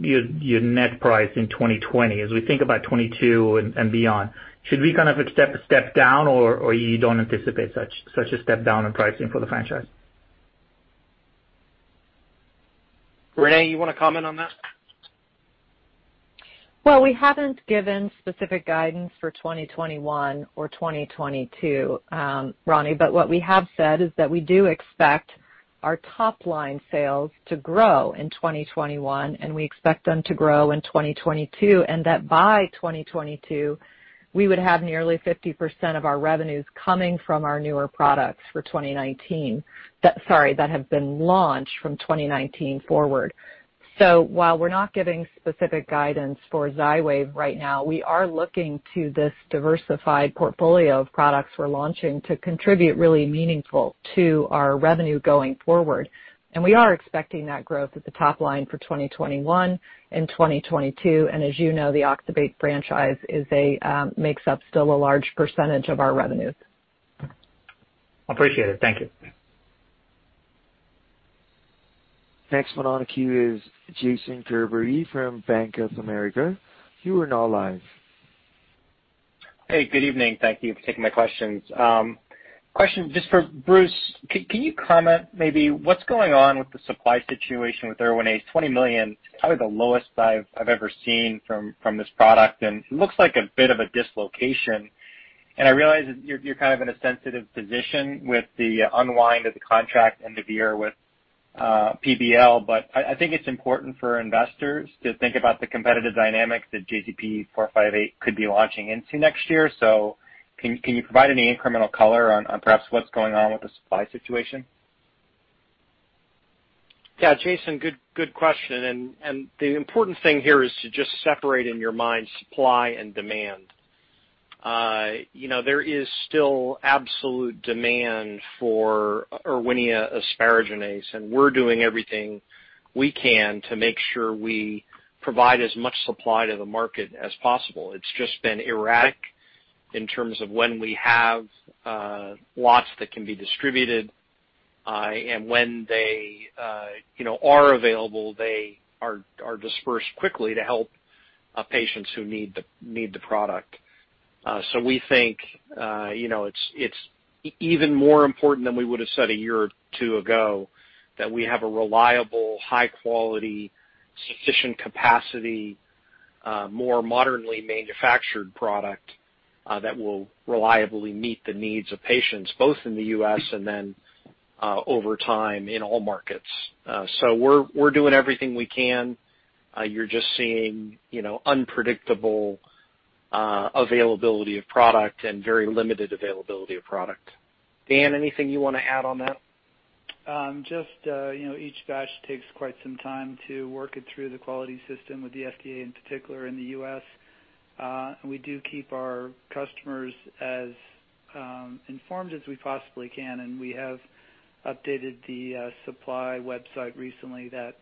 net price in 2020, as we think about 2022 and beyond, should we kind of step down, or you don't anticipate such a step down in pricing for the franchise? Renee, you want to comment on that? We haven't given specific guidance for 2021 or 2022, Ronny, but what we have said is that we do expect our top line sales to grow in 2021, and we expect them to grow in 2022, and that by 2022, we would have nearly 50% of our revenues coming from our newer products that have been launched from 2019 forward. So while we're not giving specific guidance for Xywav right now, we are looking to this diversified portfolio of products we're launching to contribute really meaningfully to our revenue going forward. And we are expecting that growth at the top line for 2021 and 2022. And as you know, the Oxybate franchise makes up still a large percentage of our revenue. Appreciate it. Thank you. Next one on the queue is Jason Gerbery from Bank of America. You are now live. Hey, good evening. Thank you for taking my questions. Question just for Bruce, can you comment maybe what's going on with the supply situation with Erwinaze's 20 million? It's probably the lowest I've ever seen from this product, and it looks like a bit of a dislocation. And I realize that you're kind of in a sensitive position with the unwind of the contract and the year with PBL, but I think it's important for investors to think about the competitive dynamic that JZP458 could be launching into next year. So can you provide any incremental color on perhaps what's going on with the supply situation? Yeah, Jason, good question. And the important thing here is to just separate in your mind supply and demand. There is still absolute demand for Erwinia asparaginase, and we're doing everything we can to make sure we provide as much supply to the market as possible. It's just been erratic in terms of when we have lots that can be distributed, and when they are available, they are dispersed quickly to help patients who need the product. So we think it's even more important than we would have said a year or two ago that we have a reliable, high-quality, sufficient capacity, more modernly manufactured product that will reliably meet the needs of patients, both in the U.S. and then over time in all markets. So we're doing everything we can. You're just seeing unpredictable availability of product and very limited availability of product. Dan, anything you want to add on that? Just, each batch takes quite some time to work it through the quality system with the FDA in particular in the U.S. We do keep our customers as informed as we possibly can, and we have updated the supply website recently that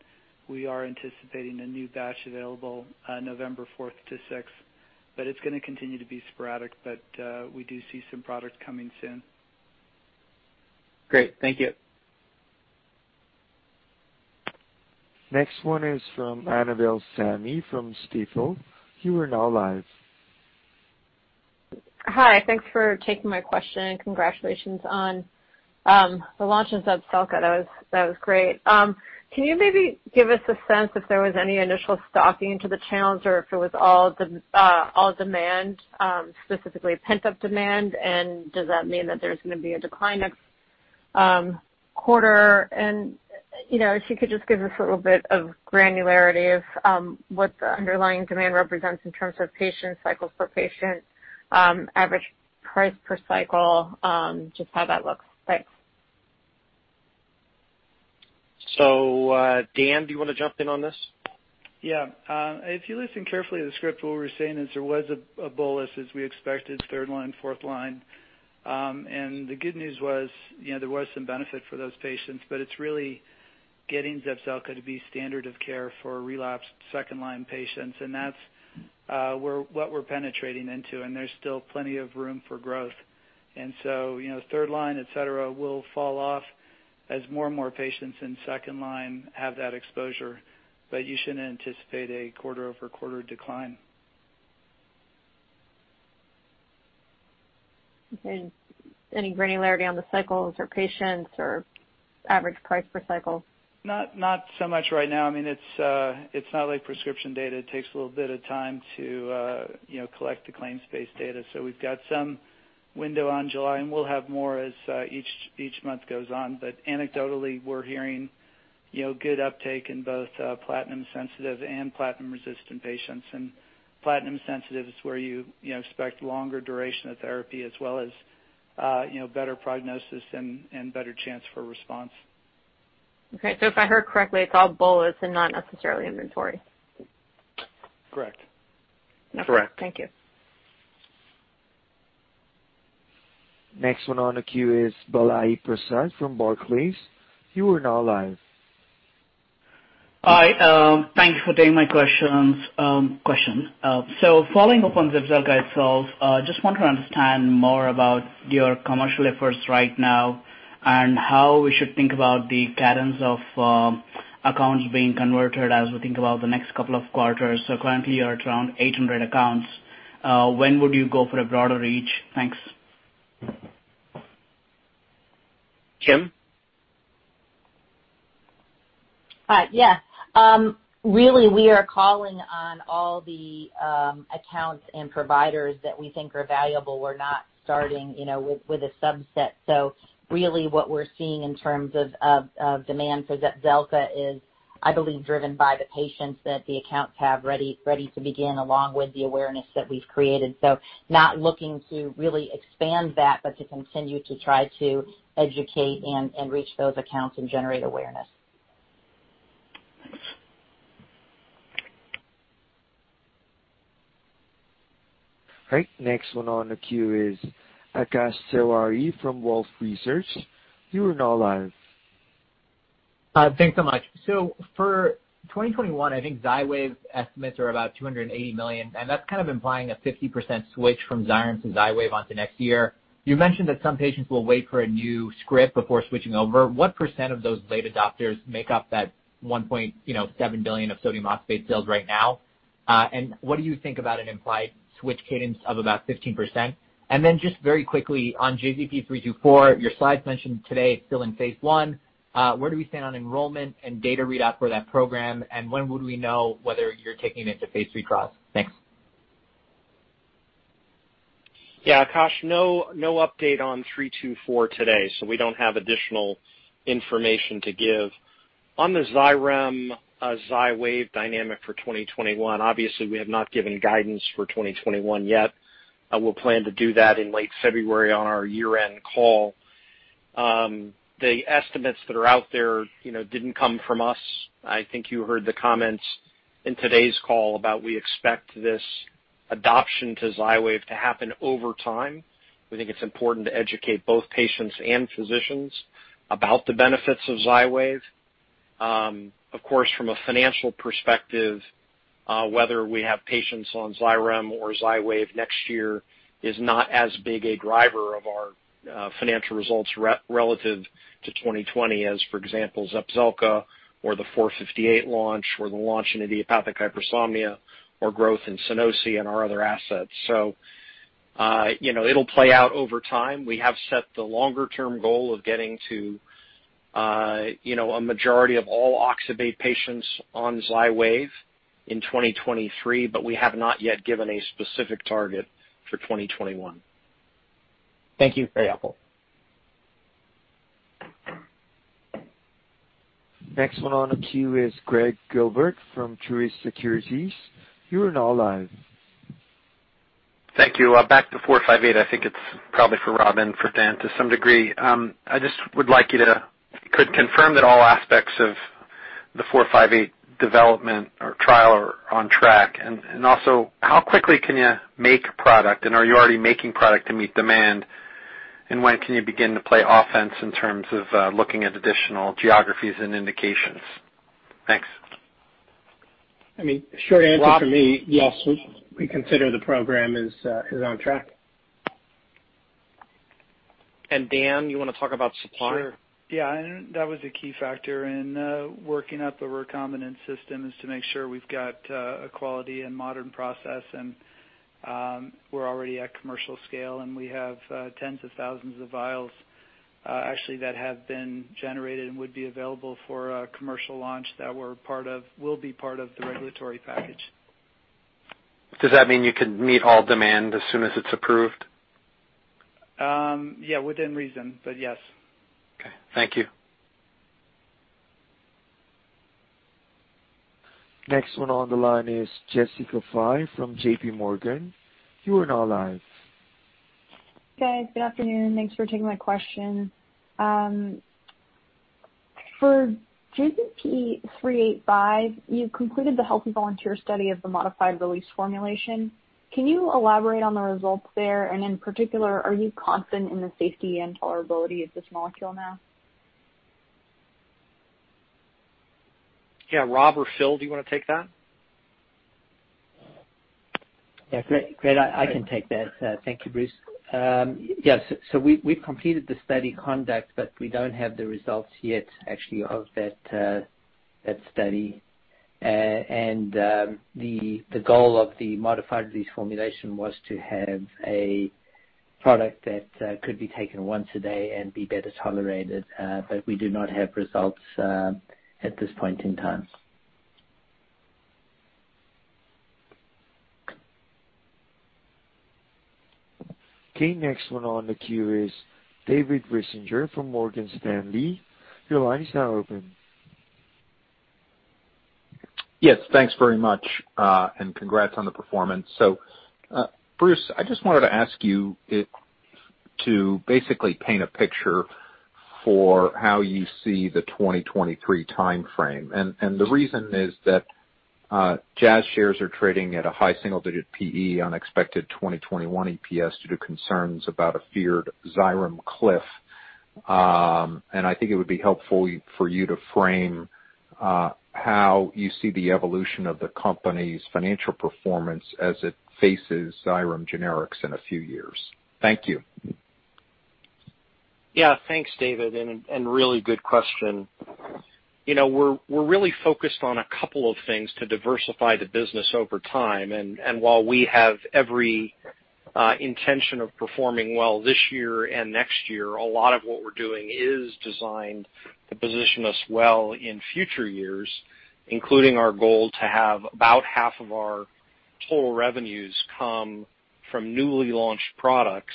we are anticipating a new batch available November 4th to 6th, but it's going to continue to be sporadic, but we do see some product coming soon. Great. Thank you. Next one is from Annabel Samimy from Stifel. You are now live. Hi. Thanks for taking my question. Congratulations on the launch of Zepzelka. That was great. Can you maybe give us a sense if there was any initial stocking to the channels or if it was all demand, specifically pent-up demand? And does that mean that there's going to be a decline next quarter? And if you could just give us a little bit of granularity of what the underlying demand represents in terms of patient cycles per patient, average price per cycle, just how that looks? Thanks. So Dan, do you want to jump in on this? Yeah. If you listen carefully to the script, what we're saying is there was a bolus, as we expected, third line, fourth line. And the good news was there was some benefit for those patients, but it's really getting Zepzelca to be standard of care for relapsed second-line patients. And that's what we're penetrating into, and there's still plenty of room for growth. And so third line, etc., will fall off as more and more patients in second line have that exposure, but you shouldn't anticipate a quarter-over-quarter decline. Okay. Any granularity on the cycles or patients or average price per cycle? Not so much right now. I mean, it's not like prescription data. It takes a little bit of time to collect the claims-based data. So we've got some window on July, and we'll have more as each month goes on. But anecdotally, we're hearing good uptake in both platinum-sensitive and platinum-resistant patients. And platinum-sensitive is where you expect longer duration of therapy as well as better prognosis and better chance for response. Okay. So if I heard correctly, it's all bolus and not necessarily inventory? Correct. Correct. Thank you. Next one on the queue is Balaji Prasad from Barclays. You are now live. Hi. Thank you for taking my question. So following up on Zepzelka itself, I just want to understand more about your commercial efforts right now and how we should think about the patterns of accounts being converted as we think about the next couple of quarters. So currently, you're at around 800 accounts. When would you go for a broader reach? Thanks. Kim? Yes. Really, we are calling on all the accounts and providers that we think are valuable. We're not starting with a subset. So really, what we're seeing in terms of demand for Zepzelca is, I believe, driven by the patients that the accounts have ready to begin along with the awareness that we've created. So not looking to really expand that, but to continue to try to educate and reach those accounts and generate awareness. All right. Next one on the queue is Akash Tewari from Wolfe Research. You are now live. Thanks so much. So for 2021, I think Xywav estimates are about $280 million, and that's kind of implying a 50% switch from Xyrem to Xywav onto next year. You mentioned that some patients will wait for a new script before switching over. What % of those late adopters make up that $1.7 billion of sodium oxybate sales right now? And what do you think about an implied switch cadence of about 15%? And then just very quickly on JZP324, your slides mentioned today is still in phase I. Where do we stand on enrollment and data readout for that program? And when would we know whether you're taking it into phase III trials? Thanks. Yeah. Akash, no update on 324 today, so we don't have additional information to give. On the Xyrem-Xywav dynamic for 2021, obviously, we have not given guidance for 2021 yet. We'll plan to do that in late February on our year-end call. The estimates that are out there didn't come from us. I think you heard the comments in today's call about we expect this adoption to Xywav to happen over time. We think it's important to educate both patients and physicians about the benefits of Xywav. Of course, from a financial perspective, whether we have patients on Xyrem or Xywav next year is not as big a driver of our financial results relative to 2020 as, for example, Zepzelca or the 458 launch or the launch in idiopathic hypersomnia or growth in Sunosi and our other assets. So it'll play out over time. We have set the longer-term goal of getting to a majority of all Oxybate patients on Xywav in 2023, but we have not yet given a specific target for 2021. Thank you. Very helpful. Next one on the queue is Greg Gilbert from Truist Securities. You are now live. Thank you. Back to 458. I think it's probably for Rob and for Dan to some degree. I just would like you to confirm that all aspects of the 458 development or trial are on track. And also, how quickly can you make product? And are you already making product to meet demand? And when can you begin to play offense in terms of looking at additional geographies and indications? Thanks. I mean, short answer for me, yes, we consider the program is on track. Dan, you want to talk about supply? Sure. Yeah, and that was a key factor in working up the recombinant system is to make sure we've got a quality and modern process, and we're already at commercial scale, and we have tens of thousands of vials actually that have been generated and would be available for commercial launch that will be part of the regulatory package. Does that mean you can meet all demand as soon as it's approved? Yeah, within reason, but yes. Okay. Thank you. Next one on the line is Jessica Fye from JPMorgan. You are now live. Hi, guys. Good afternoon. Thanks for taking my question. For JZP385, you completed the healthy volunteer study of the modified release formulation. Can you elaborate on the results there? And in particular, are you confident in the safety and tolerability of this molecule now? Yeah. Rob or Phil, do you want to take that? Yeah. Great. I can take that. Thank you, Bruce. Yeah. So we've completed the study conduct, but we don't have the results yet, actually, of that study, and the goal of the modified release formulation was to have a product that could be taken once a day and be better tolerated, but we do not have results at this point in time. Okay. Next one on the queue is David Risinger from Morgan Stanley. Your line is now open. Yes. Thanks very much. And congrats on the performance. So Bruce, I just wanted to ask you to basically paint a picture for how you see the 2023 timeframe. And the reason is that JAZZ shares are trading at a high single-digit PE on expected 2021 EPS due to concerns about a feared Xyrem cliff. And I think it would be helpful for you to frame how you see the evolution of the company's financial performance as it faces Xyrem generics in a few years. Thank you. Yeah. Thanks, David. And really good question. We're really focused on a couple of things to diversify the business over time. While we have every intention of performing well this year and next year, a lot of what we're doing is designed to position us well in future years, including our goal to have about half of our total revenues come from newly launched products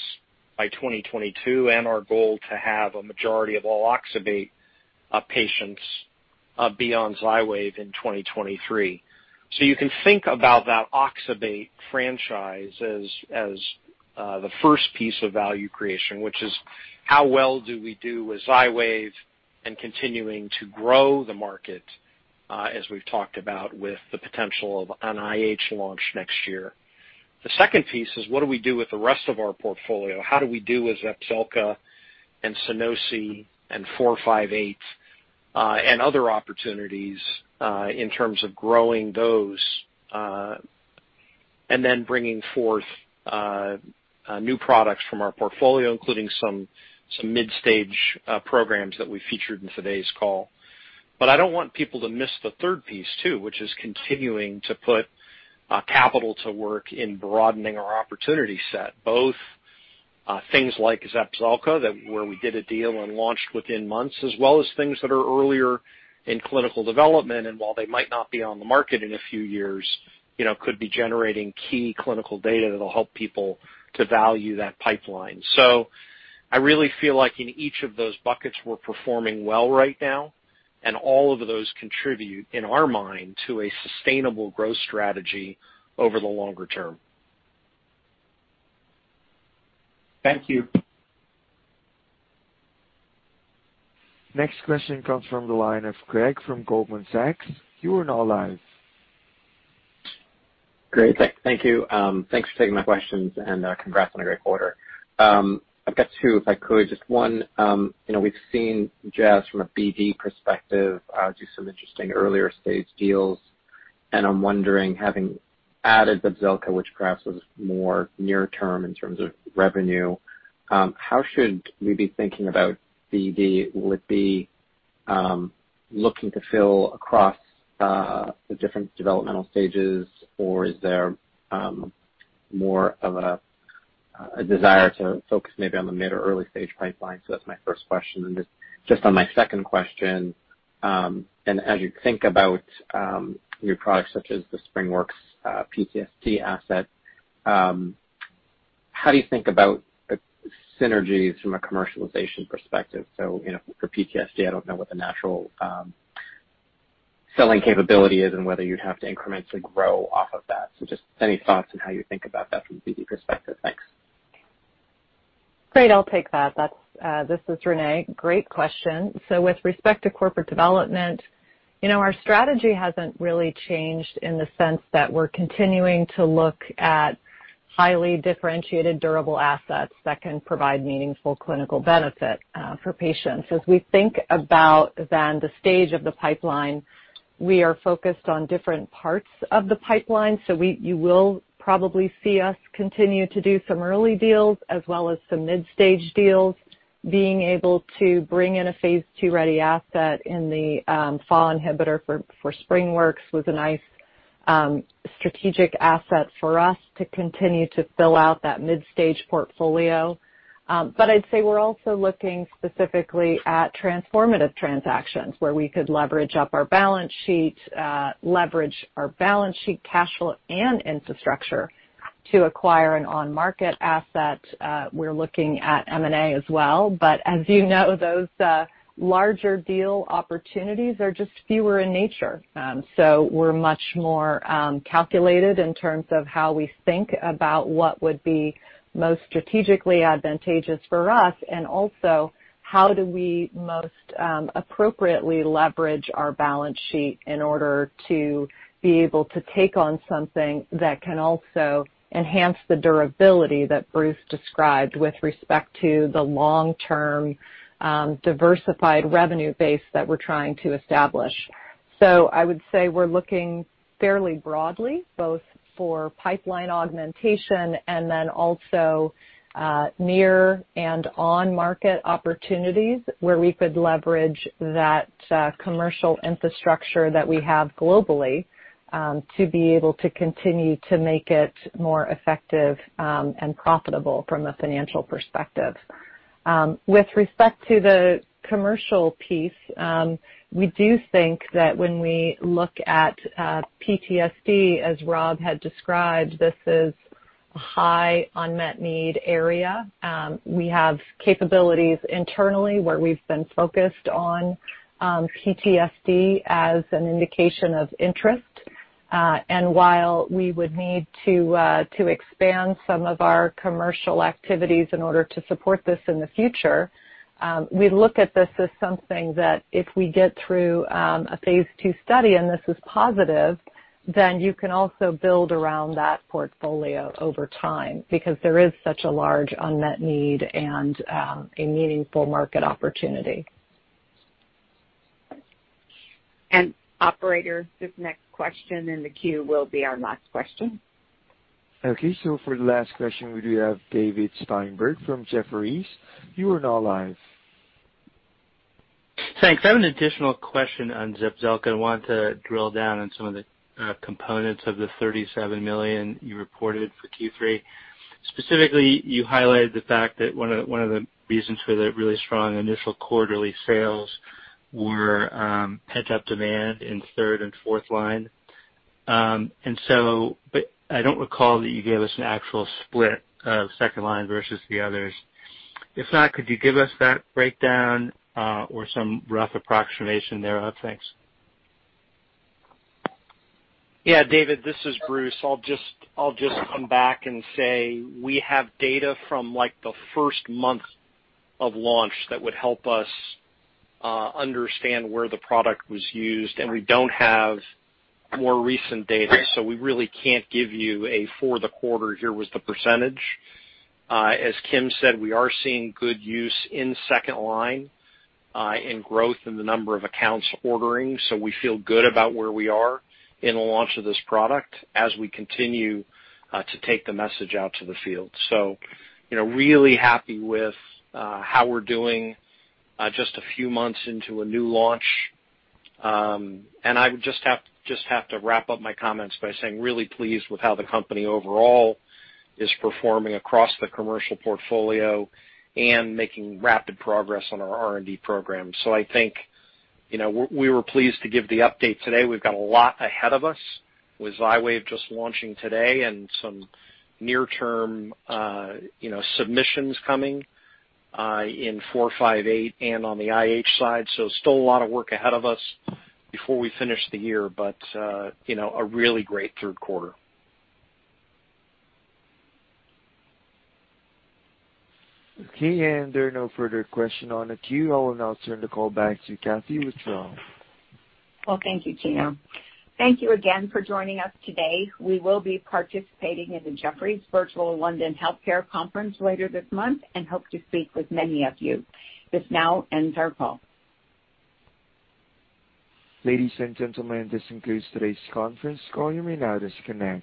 by 2022 and our goal to have a majority of all Oxybate patients be on Xywav in 2023. You can think about that Oxybate franchise as the first piece of value creation, which is how well do we do with Xywav and continuing to grow the market, as we've talked about, with the potential of an IH launch next year. The second piece is what do we do with the rest of our portfolio? How do we do with Zepzelka and Sunosi and 458 and other opportunities in terms of growing those and then bringing forth new products from our portfolio, including some mid-stage programs that we featured in today's call? But I don't want people to miss the third piece too, which is continuing to put capital to work in broadening our opportunity set, both things like Zepzelka where we did a deal and launched within months, as well as things that are earlier in clinical development. And while they might not be on the market in a few years, could be generating key clinical data that'll help people to value that pipeline. So I really feel like in each of those buckets, we're performing well right now, and all of those contribute in our mind to a sustainable growth strategy over the longer term. Thank you. Next question comes from the line of Craig from Goldman Sachs. You are now live. Great. Thank you. Thanks for taking my questions, and congrats on a great quarter. I've got two, if I could. Just one, we've seen JAZ from a BD perspective do some interesting earlier-stage deals. And I'm wondering, having added Zepzelca, which perhaps was more near-term in terms of revenue, how should we be thinking about BD? Will it be looking to fill across the different developmental stages, or is there more of a desire to focus maybe on the mid or early-stage pipeline? So that's my first question. And just on my second question, and as you think about new products such as the SpringWorks PTSD asset, how do you think about synergies from a commercialization perspective? So for PTSD, I don't know what the natural selling capability is and whether you'd have to incrementally grow off of that. So just any thoughts on how you think about that from a BD perspective? Thanks. Great. I'll take that. This is Renee. Great question. So with respect to corporate development, our strategy hasn't really changed in the sense that we're continuing to look at highly differentiated durable assets that can provide meaningful clinical benefit for patients. As we think about then the stage of the pipeline, we are focused on different parts of the pipeline. So you will probably see us continue to do some early deals as well as some mid-stage deals. Being able to bring in a phase II ready asset in the FAAH inhibitor for SpringWorks was a nice strategic asset for us to continue to fill out that mid-stage portfolio. But I'd say we're also looking specifically at transformative transactions where we could leverage up our balance sheet, leverage our balance sheet cash flow and infrastructure to acquire an on-market asset. We're looking at M&A as well. But as you know, those larger deal opportunities are just fewer in nature. So we're much more calculated in terms of how we think about what would be most strategically advantageous for us and also how do we most appropriately leverage our balance sheet in order to be able to take on something that can also enhance the durability that Bruce described with respect to the long-term diversified revenue base that we're trying to establish. So I would say we're looking fairly broadly, both for pipeline augmentation and then also near and on-market opportunities where we could leverage that commercial infrastructure that we have globally to be able to continue to make it more effective and profitable from a financial perspective. With respect to the commercial piece, we do think that when we look at PTSD, as Rob had described, this is a high unmet need area. We have capabilities internally where we've been focused on PTSD as an indication of interest. And while we would need to expand some of our commercial activities in order to support this in the future, we look at this as something that if we get through a phase study and this is positive, then you can also build around that portfolio over time because there is such a large unmet need and a meaningful market opportunity. Operator, this next question in the queue will be our last question. Okay. So for the last question, we do have David Steinberg from Jefferies. You are now live. Thanks. I have an additional question on Zepzelca. I want to drill down on some of the components of the $37 million you reported for Q3. Specifically, you highlighted the fact that one of the reasons for the really strong initial quarterly sales were pent-up demand in third and fourth line. But I don't recall that you gave us an actual split of second line versus the others. If not, could you give us that breakdown or some rough approximation thereof? Thanks. Yeah. David, this is Bruce. I'll just come back and say we have data from the first month of launch that would help us understand where the product was used. And we don't have more recent data, so we really can't give you a for-the-quarter here was the percentage. As Kim said, we are seeing good use in second line in growth in the number of accounts ordering. So we feel good about where we are in the launch of this product as we continue to take the message out to the field. So really happy with how we're doing just a few months into a new launch. And I would just have to wrap up my comments by saying really pleased with how the company overall is performing across the commercial portfolio and making rapid progress on our R&D program. So I think we were pleased to give the update today. We've got a lot ahead of us with Xywav just launching today and some near-term submissions coming in 458 and on the IH side. So still a lot of work ahead of us before we finish the year, but a really great Q3. Okay. There are no further questions on the queue. I will now turn the call back to Kathee with that. Thank you, Jim. Thank you again for joining us today. We will be participating in the Jefferies Virtual London Healthcare Conference later this month and hope to speak with many of you. This now ends our call. Ladies and gentlemen, this concludes today's conference call. You may now disconnect.